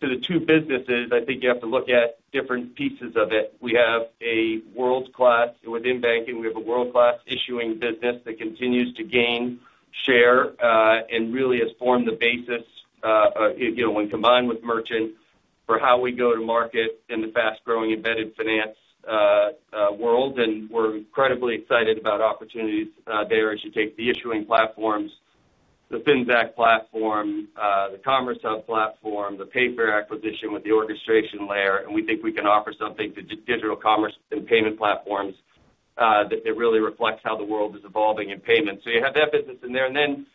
the two businesses, I think you have to look at different pieces of it. We have a world class, within banking, we have a world class issuing business that continues to gain share and really has formed the basis when combined with merchant for how we go to market in the fast growing embedded finance world. We're incredibly excited about opportunities there. As you take the issuing platforms, the Finxact platform, the Commerce Hub platform, the Payfair acquisition with the orchestration layer, we think we can offer something to digital commerce and payment platforms that really reflects how the world is evolving in payments. You have that business in there and then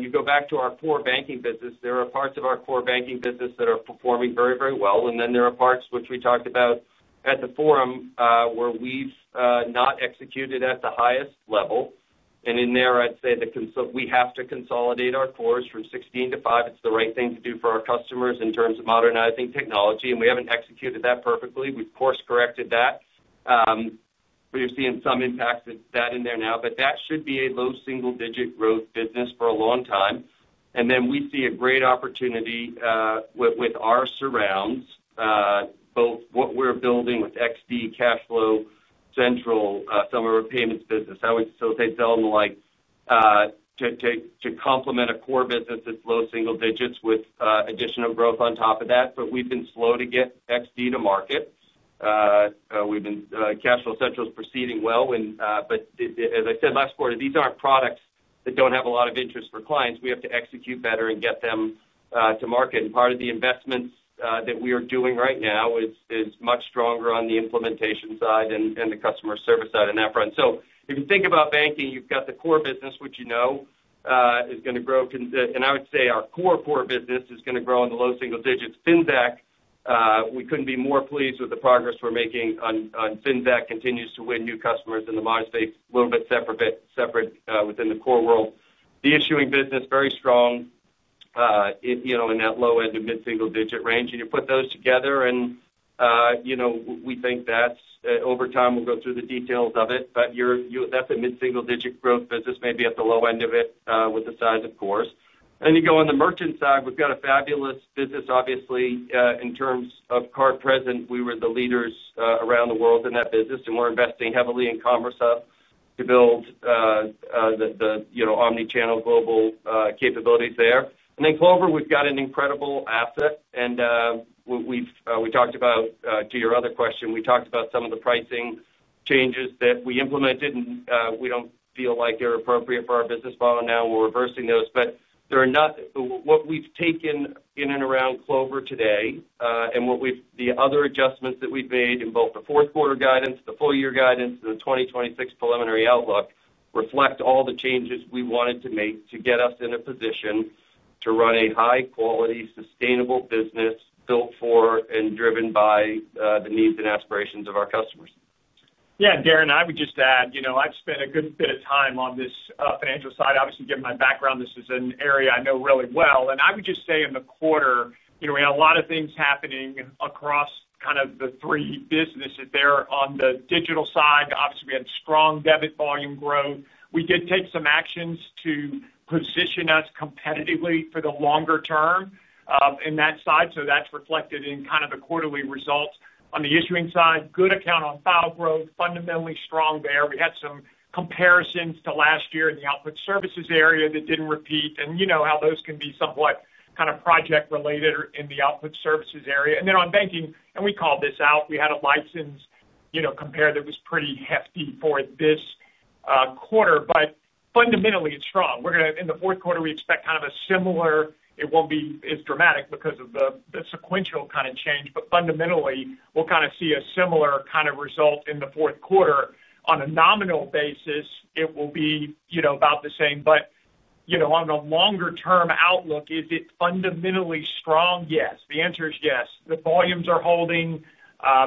you go back to our core banking business. There are parts of our core banking business that are performing very, very well. There are parts which we talked about at the forum where we've not executed at the highest level. In there I'd say we have to consolidate our cores from 16 to 5. It's the right thing to do for our customers in terms of modernizing technology and we haven't executed that perfectly. We've course corrected that. We're seeing some impacts of that in there now, but that should be a low single digit growth business for a long time and then we see a great opportunity with our surrounds. Both what we're building with XD, CashFlow Central, some of our payments business, I would facilitate Zelle and the like to complement a core business that's low single digits with additional growth on top of that. We've been slow to get XD to market. CashFlow Central is proceeding well, but as I said last quarter, these aren't products that don't have a lot of interest for clients. We have to execute better and get them to market. Part of the investments that we are doing right now is much stronger on the implementation side and the customer service side on that front. If you think about banking, you've got the core business which you know is going to grow and I would say our core, core business is going to grow in the low single digits. Finxact, we couldn't be more pleased with the progress we're making on Finxact, continues to win new customers in the modern space. A little bit separate within the core world, the issuing business, very strong, you know, in that low end to mid single digit range. You put those together and we think that's over time, we'll go through the details of it, but that's a mid single digit growth business, maybe at the low end of it with the size. Of course, you go on the merchant side. We've got a fabulous business obviously in terms of card present. We were the leaders around the world in that business and we're investing heavily in Commerce Hub to build the omnichannel global capabilities there. Clover, we've got an incredible. Asset and we talked about, to your other question, we talked about some of the pricing changes that we implemented, and we don't feel like they're appropriate for our business model now. We're reversing those, but there are not. What we've taken in and around Clover today and what we've, the other adjustments that we've made in both the fourth quarter guidance, the full year guidance, and the 2026 preliminary outlook reflect all the changes we wanted to make to get us in a position to run a high quality, sustainable business built for and driven by the needs and aspirations of our customers. Yes, Darrin, I would just add I've spent a good bit of time on this financial side. Obviously given my background, this is an area I know really well, and I would just say in the quarter we had a lot of things happening across kind of the three businesses there. On the digital side, obviously we had strong debit volume growth. We did take some actions to position us competitively for the longer term in that side. That's reflected in kind of the quarterly results. On the issuing side, good account on file growth, fundamentally strong there. We had some comparisons to last year in the output services area that didn't repeat, and you know how those can be somewhat kind of project related in the output services area. On banking, and we called this out, we had a license compare that was pretty hefty for this quarter. Fundamentally it's strong. In the fourth quarter we expect kind of a similar result. It won't be as dramatic because of the sequential kind of change, but fundamentally we'll kind of see a similar result in the fourth quarter. On a nominal basis it will be about the same. On a longer term outlook, is it fundamentally strong? Yes. The answer is yes. The volumes are holding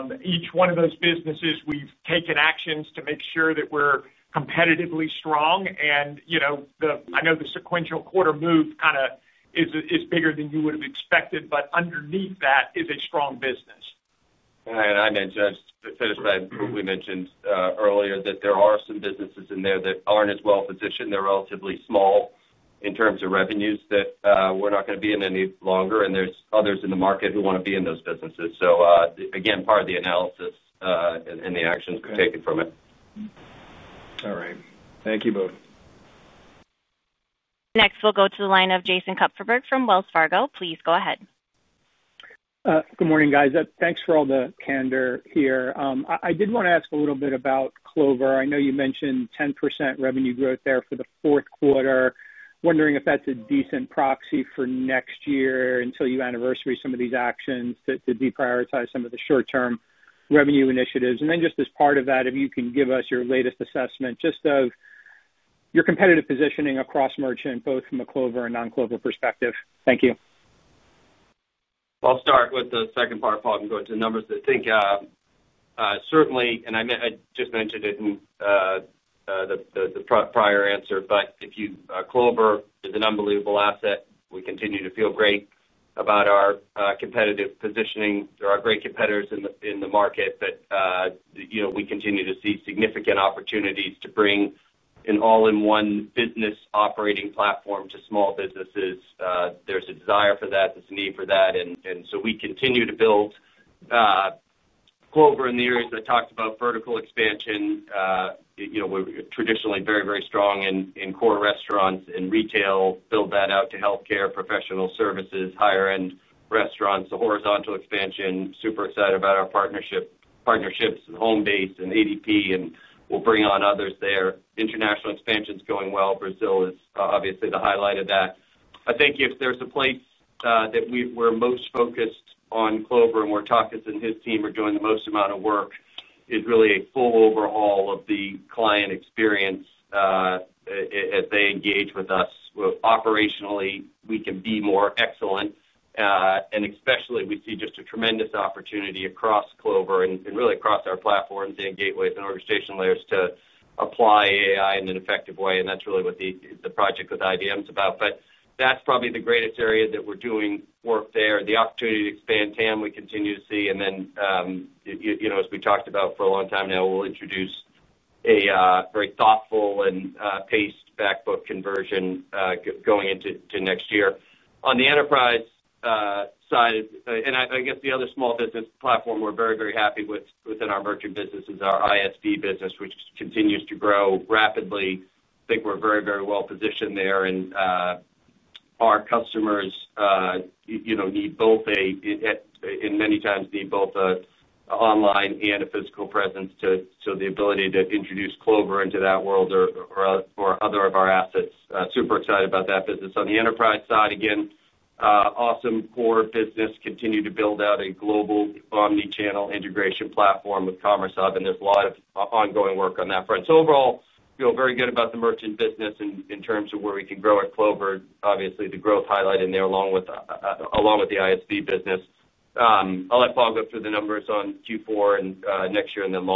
in each one of those businesses. We've taken actions to make sure that we're competitively strong. I know the sequential quarter move is bigger than you would have expected, but underneath that is a strong business. We mentioned earlier that there are some businesses in there that aren't as well positioned. They're relatively small in terms of revenues that we're not going to be in any longer, and there's others in the market who want to be in those businesses. Part of the analysis and the actions we've taken come from it. All right, thank you both. Next, we'll go to the line of Jason Kupferberg from Wells Fargo. Please go ahead. Good morning guys. Thanks for all the candor here. I did want to ask a little bit about Clover. I know you mentioned 10% revenue growth there for the fourth quarter. Wondering if that's a decent proxy for next year until you anniversary some of these actions to deprioritize some of the short term revenue initiatives. Just as part of that. If you can give us your latest. Assessment just of your competitive positioning across Merchant, both from a Clover and non-Clover perspective. Thank you. I'll start with the second part, Paul, and go into numbers. I think certainly, and I just mentioned it in the prior answer, but if you, Clover is an unbelievable asset. We continue to feel great about our competitive positioning. There are great competitors in the market, but we continue to see significant opportunities to bring an all-in-one business operating platform to small businesses. There's a desire for that, there's a need for that. We continue to build Clover in the areas that talked about vertical expansion. We're traditionally very, very strong in core restaurants and retail. Build that out to healthcare, professional services, higher-end restaurants, the horizontal expansion. Super excited about our partnerships, Homebase and ADP, and we'll bring on others there. International expansion's going well. Brazil is obviously the highlight of that. I think if there's a place that we're most focused on Clover and where Takis and his team are doing the most amount of work is really a full overhaul of the client experience. As they engage with us operationally, we can be more excellent, and especially we see just a tremendous opportunity across Clover and really across our platforms and gateways and orchestration layers to apply AI in an effective way. That's really what the project with IBM is about. That's probably the greatest area that we're doing work there. The opportunity to expand TAM we continue to see. As we talked about for a long time now, we'll introduce a very thoughtful and paced back book conversion going into next year on the enterprise side. The other small business platform we're very, very happy with within our merchant business is our ISV business, which continues to grow rapidly. I think we're very, very well positioned there, and our customers need both a, and many times need both online and a physical presence. The ability to introduce Clover into that world or other of our assets, super excited about that business. On the enterprise side again, awesome. Core business, continue to build out a global omnichannel integration platform with Commerce Hub, and there's a lot of ongoing work on that front. Overall, feel very good about the merchant business in terms of where we can grow at Clover. Obviously, the growth highlight in there along with the ISV business. I'll let Paul go through the numbers on Q4 and next year and then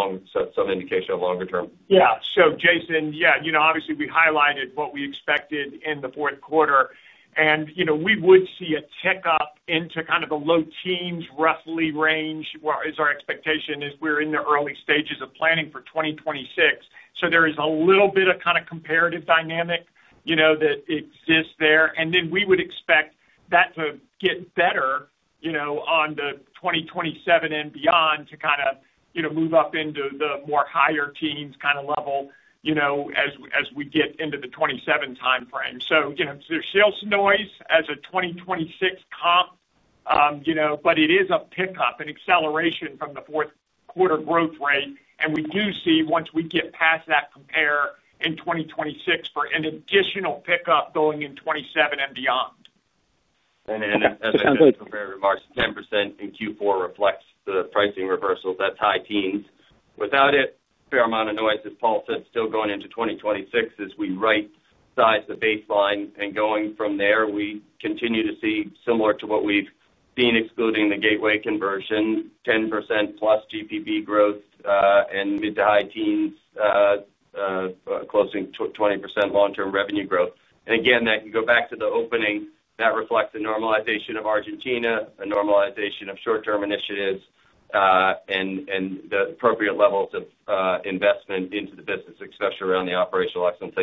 some indication of longer term. Yeah. Jason, you know, obviously we highlighted what we expected in the fourth quarter, and we would see a tick up into kind of a low teens roughly range, is our expectation as we're in the early stages of planning for 2026. So. There is a little bit of kind of comparative dynamic that exists there, and then we would expect that to get better in 2027 and beyond, to kind of move up into the more higher teens kind of level as we get into the 2027 timeframe. There is sales noise as a 2026 comp, but it is a pickup, an acceleration from the fourth quarter growth rate. We do see once we get past that compare in 2026, there is an additional pickup going into 2027 and beyond. As I prepared remarks, 10% in Q4 reflects the pricing reversals. That's high teens. Without it, fair amount of noise, as Paul said, still going into 2026 as we right size the baseline and going from there we continue to see similar to what we've seen excluding the gateway conversion, 10%+ GPB growth and mid to high teens closing, 20% long term revenue growth. That can go back to the opening that reflects the normalization of Argentina, a normalization of short term initiatives and the appropriate levels of investment into the business, especially around the operational excellence.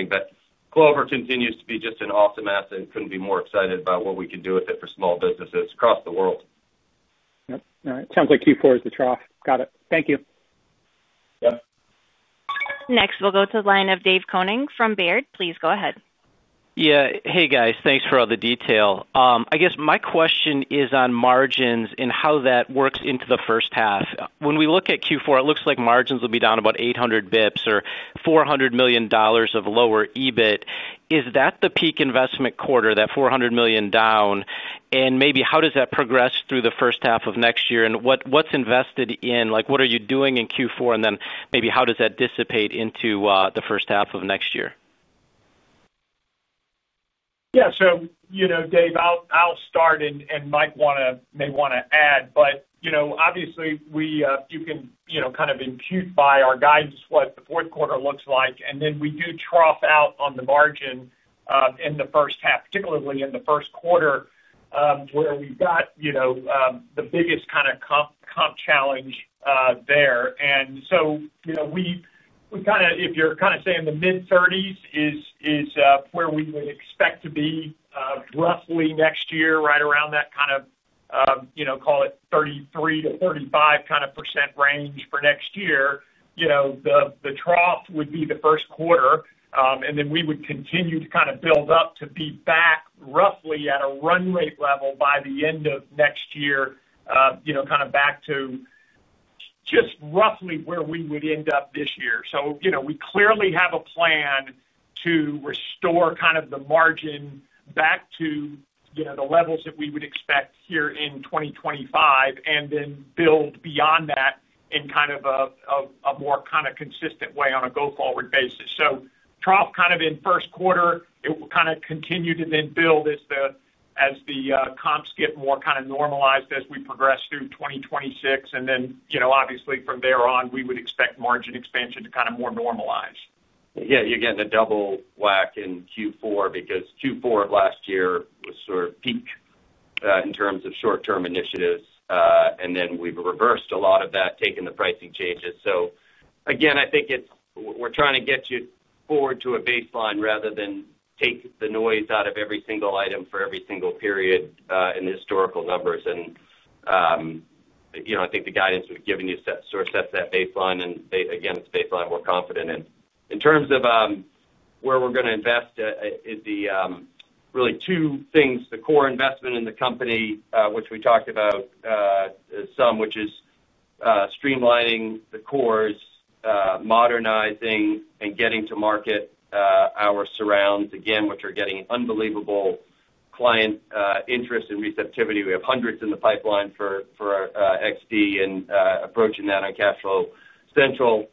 Clover continues to be just an awesome asset. Couldn't be more excited about what we can do with it for small businesses across the world. Sounds like Q4 is the trough. Got it, thank you. Next, we'll go to the line of Dave Koning from Baird. Please go ahead. Yeah. Hey guys, thanks for all the detail. I guess my question is on margins and how that works into the first half. When we look at Q4, it looks like margins will be down about 800 bps or $400 million of lower EBIT. Is that the peak investment quarter, that $400 million down? Maybe how does that progress through the first half of next year and invested in, like what are you doing in Q4, and then maybe how does that dissipate into the first half of next year? Yeah, so you know Dave, I'll start and Mike may want to add, but obviously we, you can kind of impute by our guidance what the fourth quarter looks like. We do trough out on the margin in the first half, particularly in the first quarter where we've got the biggest kind of comp challenge there. If you're kind of saying the mid-30% is where we would expect to be roughly next year, right around that, call it 33%-45% range for next year. The trough would be the first quarter and then we would continue to build up to be back roughly at a run rate level by the end of next year, kind of back to just roughly where we would end up this year. We clearly have a plan to restore the margin back to the levels that we would expect here in 2025 and then build beyond that in a more consistent way on a go forward basis. Trough in the first quarter, it will continue to then build as the comps get more normalized as we progress through 2026, and from there on we would expect margin expansion to more normalize. Yeah, you're getting a double whack in Q4 because Q4 of last year was sort of peak in terms of short-term initiatives, and then we reversed a lot of that, taking the pricing changes. I think it's, we're trying to get you forward to a baseline rather than take the noise out of every single item for every single period in historical numbers. I think the guidance we've given you sort of sets that baseline, and again it's a baseline we're confident in, in terms of where we're going to invest. The really two things, the core investment in the company which we talked about some, which is streamlining the cores, modernizing and getting to market our surrounds again, which are getting unbelievable client interest and receptivity. We have hundreds in the pipeline for XD and approaching that on CashFlow Central.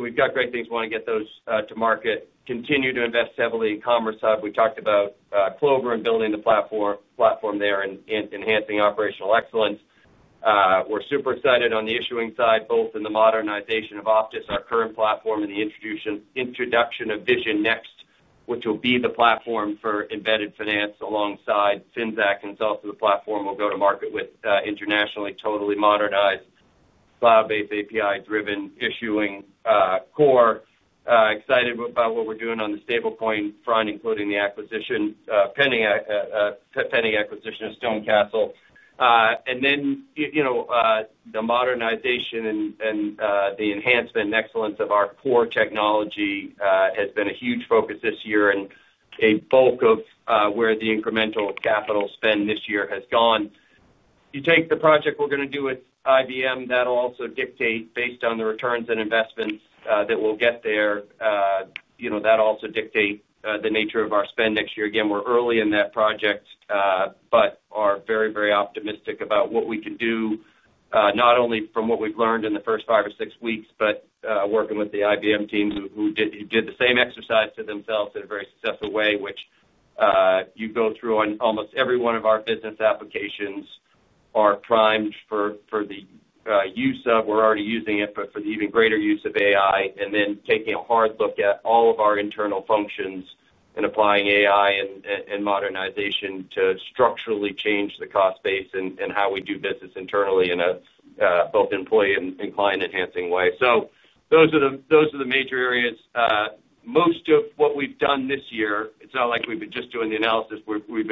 We've got great things, want to get those to market, continue to invest heavily. Commerce Hub, we talked about Clover and building the platform there and enhancing operational excellence. We're super excited on the issuing side. Both in the modernization of Optis, our current platform, and the introduction of VisionNext, which will be the platform for embedded finance alongside Finxact, and also the platform will go to market with internationally, totally modernized, cloud-based, API-driven issuing core. Excited about what we're doing on the stablecoin front, including the pending acquisition of StoneCastle Cash Management, and then, you know, the modernization and the enhancement and excellence of our core technology has been a huge focus this year and a bulk of where the incremental capital spend this year has gone. You take the project we're going to. we do with IBM also dictates, based on the returns and investments that we'll get there, that also dictates the nature of our spend next year. Again, we're early in that project but are very, very optimistic about what we can do, not only from what we've learned in the first five or six weeks but working with the IBM team, who did the same exercise to themselves in a very successful way. You go through, and almost every one of our business applications are primed for the use of, we're already using it, but for the even greater use of AI, and then taking a hard look at all of our internal functions and applying AI and modernization to structurally change the cost base and how we do business internally in both employee and client enhancing ways. Those are the major areas. Most of what we've done this year, it's not like we've been just doing the analysis. We've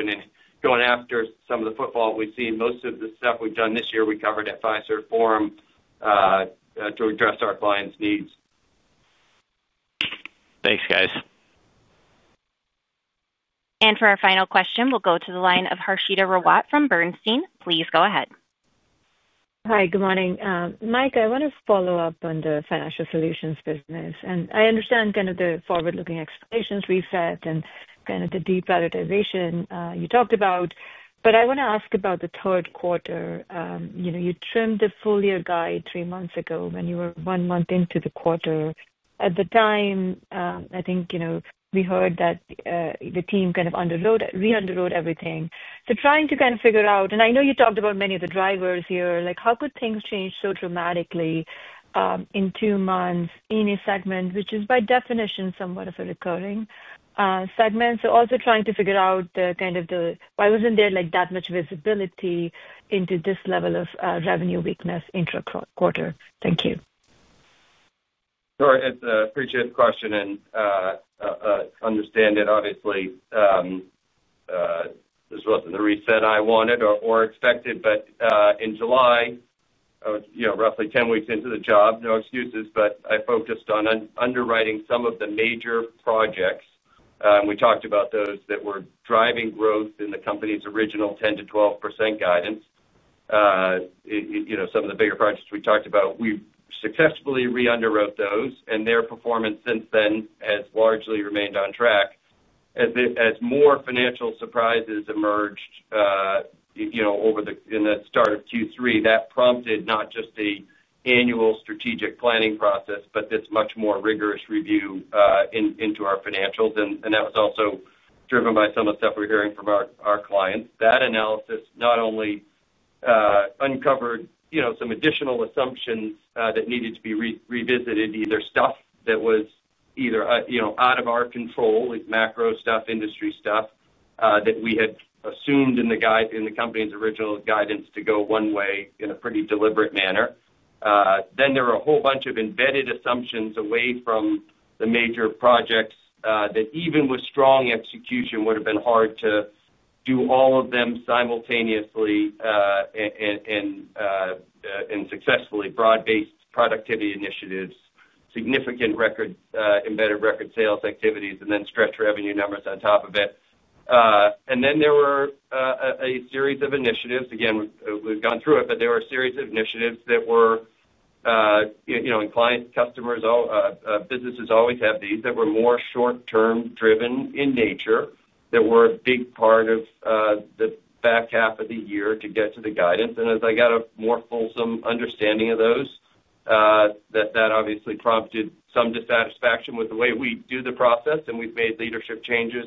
been going after some of the footfall we've seen. Most of the stuff we've done this year we covered at Fiserv Forum to address our clients' needs. Thanks, guys. For our final question, we'll go to the line of Harshita Rawat from Bernstein. Please go ahead. Hi, good morning, Micah. I want to follow up on the Financial Solutions business, and I understand kind of the forward-looking explanations, reset, and kind of the deprioritization you talked about, but I want to ask about the third quarter. You trimmed the full-year guide three months ago when you were one month into the quarter. At the time, I think we heard that the team kind of underwrote—underwrote everything. I'm trying to figure out, and I know you talked about many of the drivers here, how could things change so dramatically in two months in a segment which is by definition somewhat of a recurring segment? I'm also trying to figure out why there wasn't that much visibility into this level of revenue weakness intra-quarter. Thank you. Appreciate the question and understand it. Obviously this wasn't the reset I wanted or expected. In July, roughly 10 weeks into the job, no excuses, but I focused on underwriting some of the major projects. We talked about those that were driving growth in the company's original 10%-12% guidance. Some of the bigger projects we talked about, we successfully re-underwrote those, and their performance since then has largely remained on track. As more financial surprises emerged at the start of Q3, that prompted not just the annual strategic planning process, but this much more rigorous review into our financials. That was also driven by some of the stuff we're hearing from our clients. That analysis not only uncovered some additional assumptions that needed to be revisited, either stuff that was out of our control, macro stuff, industry stuff that we had assumed in the company's original guidance to go one way in a pretty deliberate manner. There were a whole bunch of embedded assumptions away from the major projects that even with strong execution would have been hard to do, all of them simultaneously and successfully. Broad-based productivity initiatives, significant embedded record sales activities, and then stretch revenue numbers on top of it. There were a series of initiatives. We have gone through it, but there were a series of initiatives that were client customers. Businesses always have these that were more short-term driven in nature that were a big part of the back half of the year to get to the guidance. As I got a more fulsome understanding of those, that obviously prompted some dissatisfaction with the way we do the process. We have made leadership changes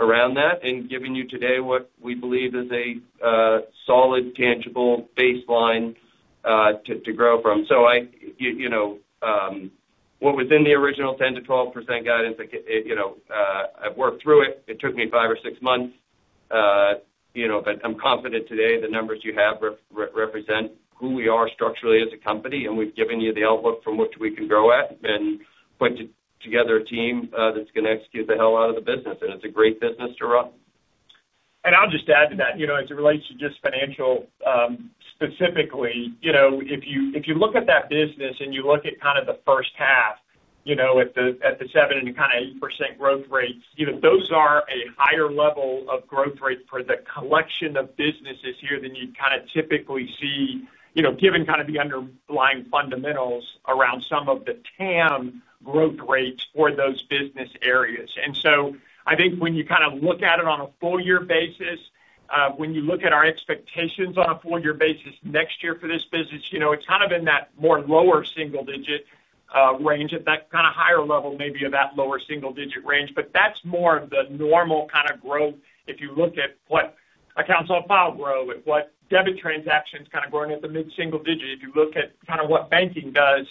around that and are giving you today what we believe is a solid tangible baseline to grow from. Within the original 10%-12% guidance, I've worked through it. It took me five or six months, but I'm confident today the numbers you have represent who we are structurally as a company. We have given you the outlook from which we can grow at and put together a team that's going to execute the hell out of the business. It's a great business to run. I'll just add to that as it relates to Financial Solutions specifically. If you look at that business. You look at kind of the first half at the 7% and kind of 8% growth rates, those are a higher level of growth rate for the collection of businesses here than you kind of typically see given kind of the underlying fundamentals around some of the TAM growth rates for those business areas. I think when you kind of look at it on a full year basis, when you look at our expectations on a full year basis next year for this business, you know, it's kind of in that more lower single digit range at that kind of higher level maybe of that lower single digit range. That's more of the normal kind of growth if you look at what accounts on file grow at, what debit transactions kind of growing at the mid single digit, if you look at kind of what banking does.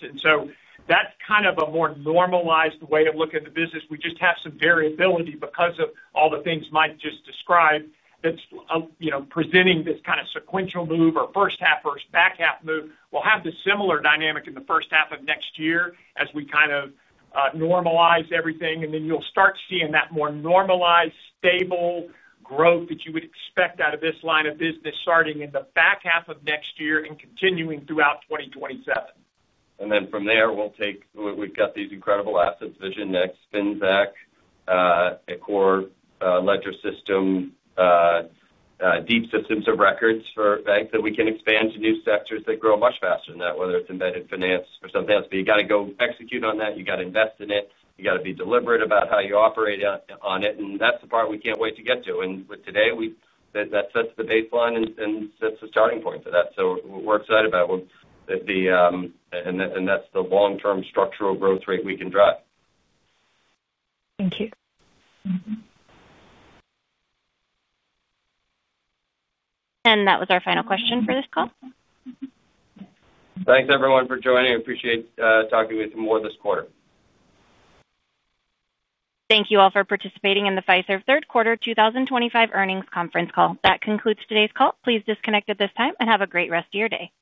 That's kind of a more normalized way of looking at the business. We just have some variability because of all the things Mike just described that's presenting this kind of sequential move or first half versus back half move. We'll have the similar dynamic in the first half of next year as we kind of normalize everything. You’ll start seeing that more normalized stable growth that you would expect out of this line of business starting in the back half of next year and continuing throughout 2027. From there we'll take, we've got these incredible assets. VisionNext, Finxact, a core ledger system, deep systems of records for banks that we can expand to new sectors that grow much faster than that, whether it's embedded finance or something else. You got to go execute on that, you got to invest in it, you got to be deliberate about how you operate on it. That's the part we can't wait to get to. Today that sets the baseline and sets the starting point for that. We're excited about the long term structural growth rate we can drive. Thank you. That was our final question for this call. Thanks, everyone, for joining. Appreciate talking with you more this quarter. Thank you all for participating in the Fiserv third quarter 2025 earnings conference call. That concludes today's call. Please disconnect at this time and have a great rest of your day. Thank you.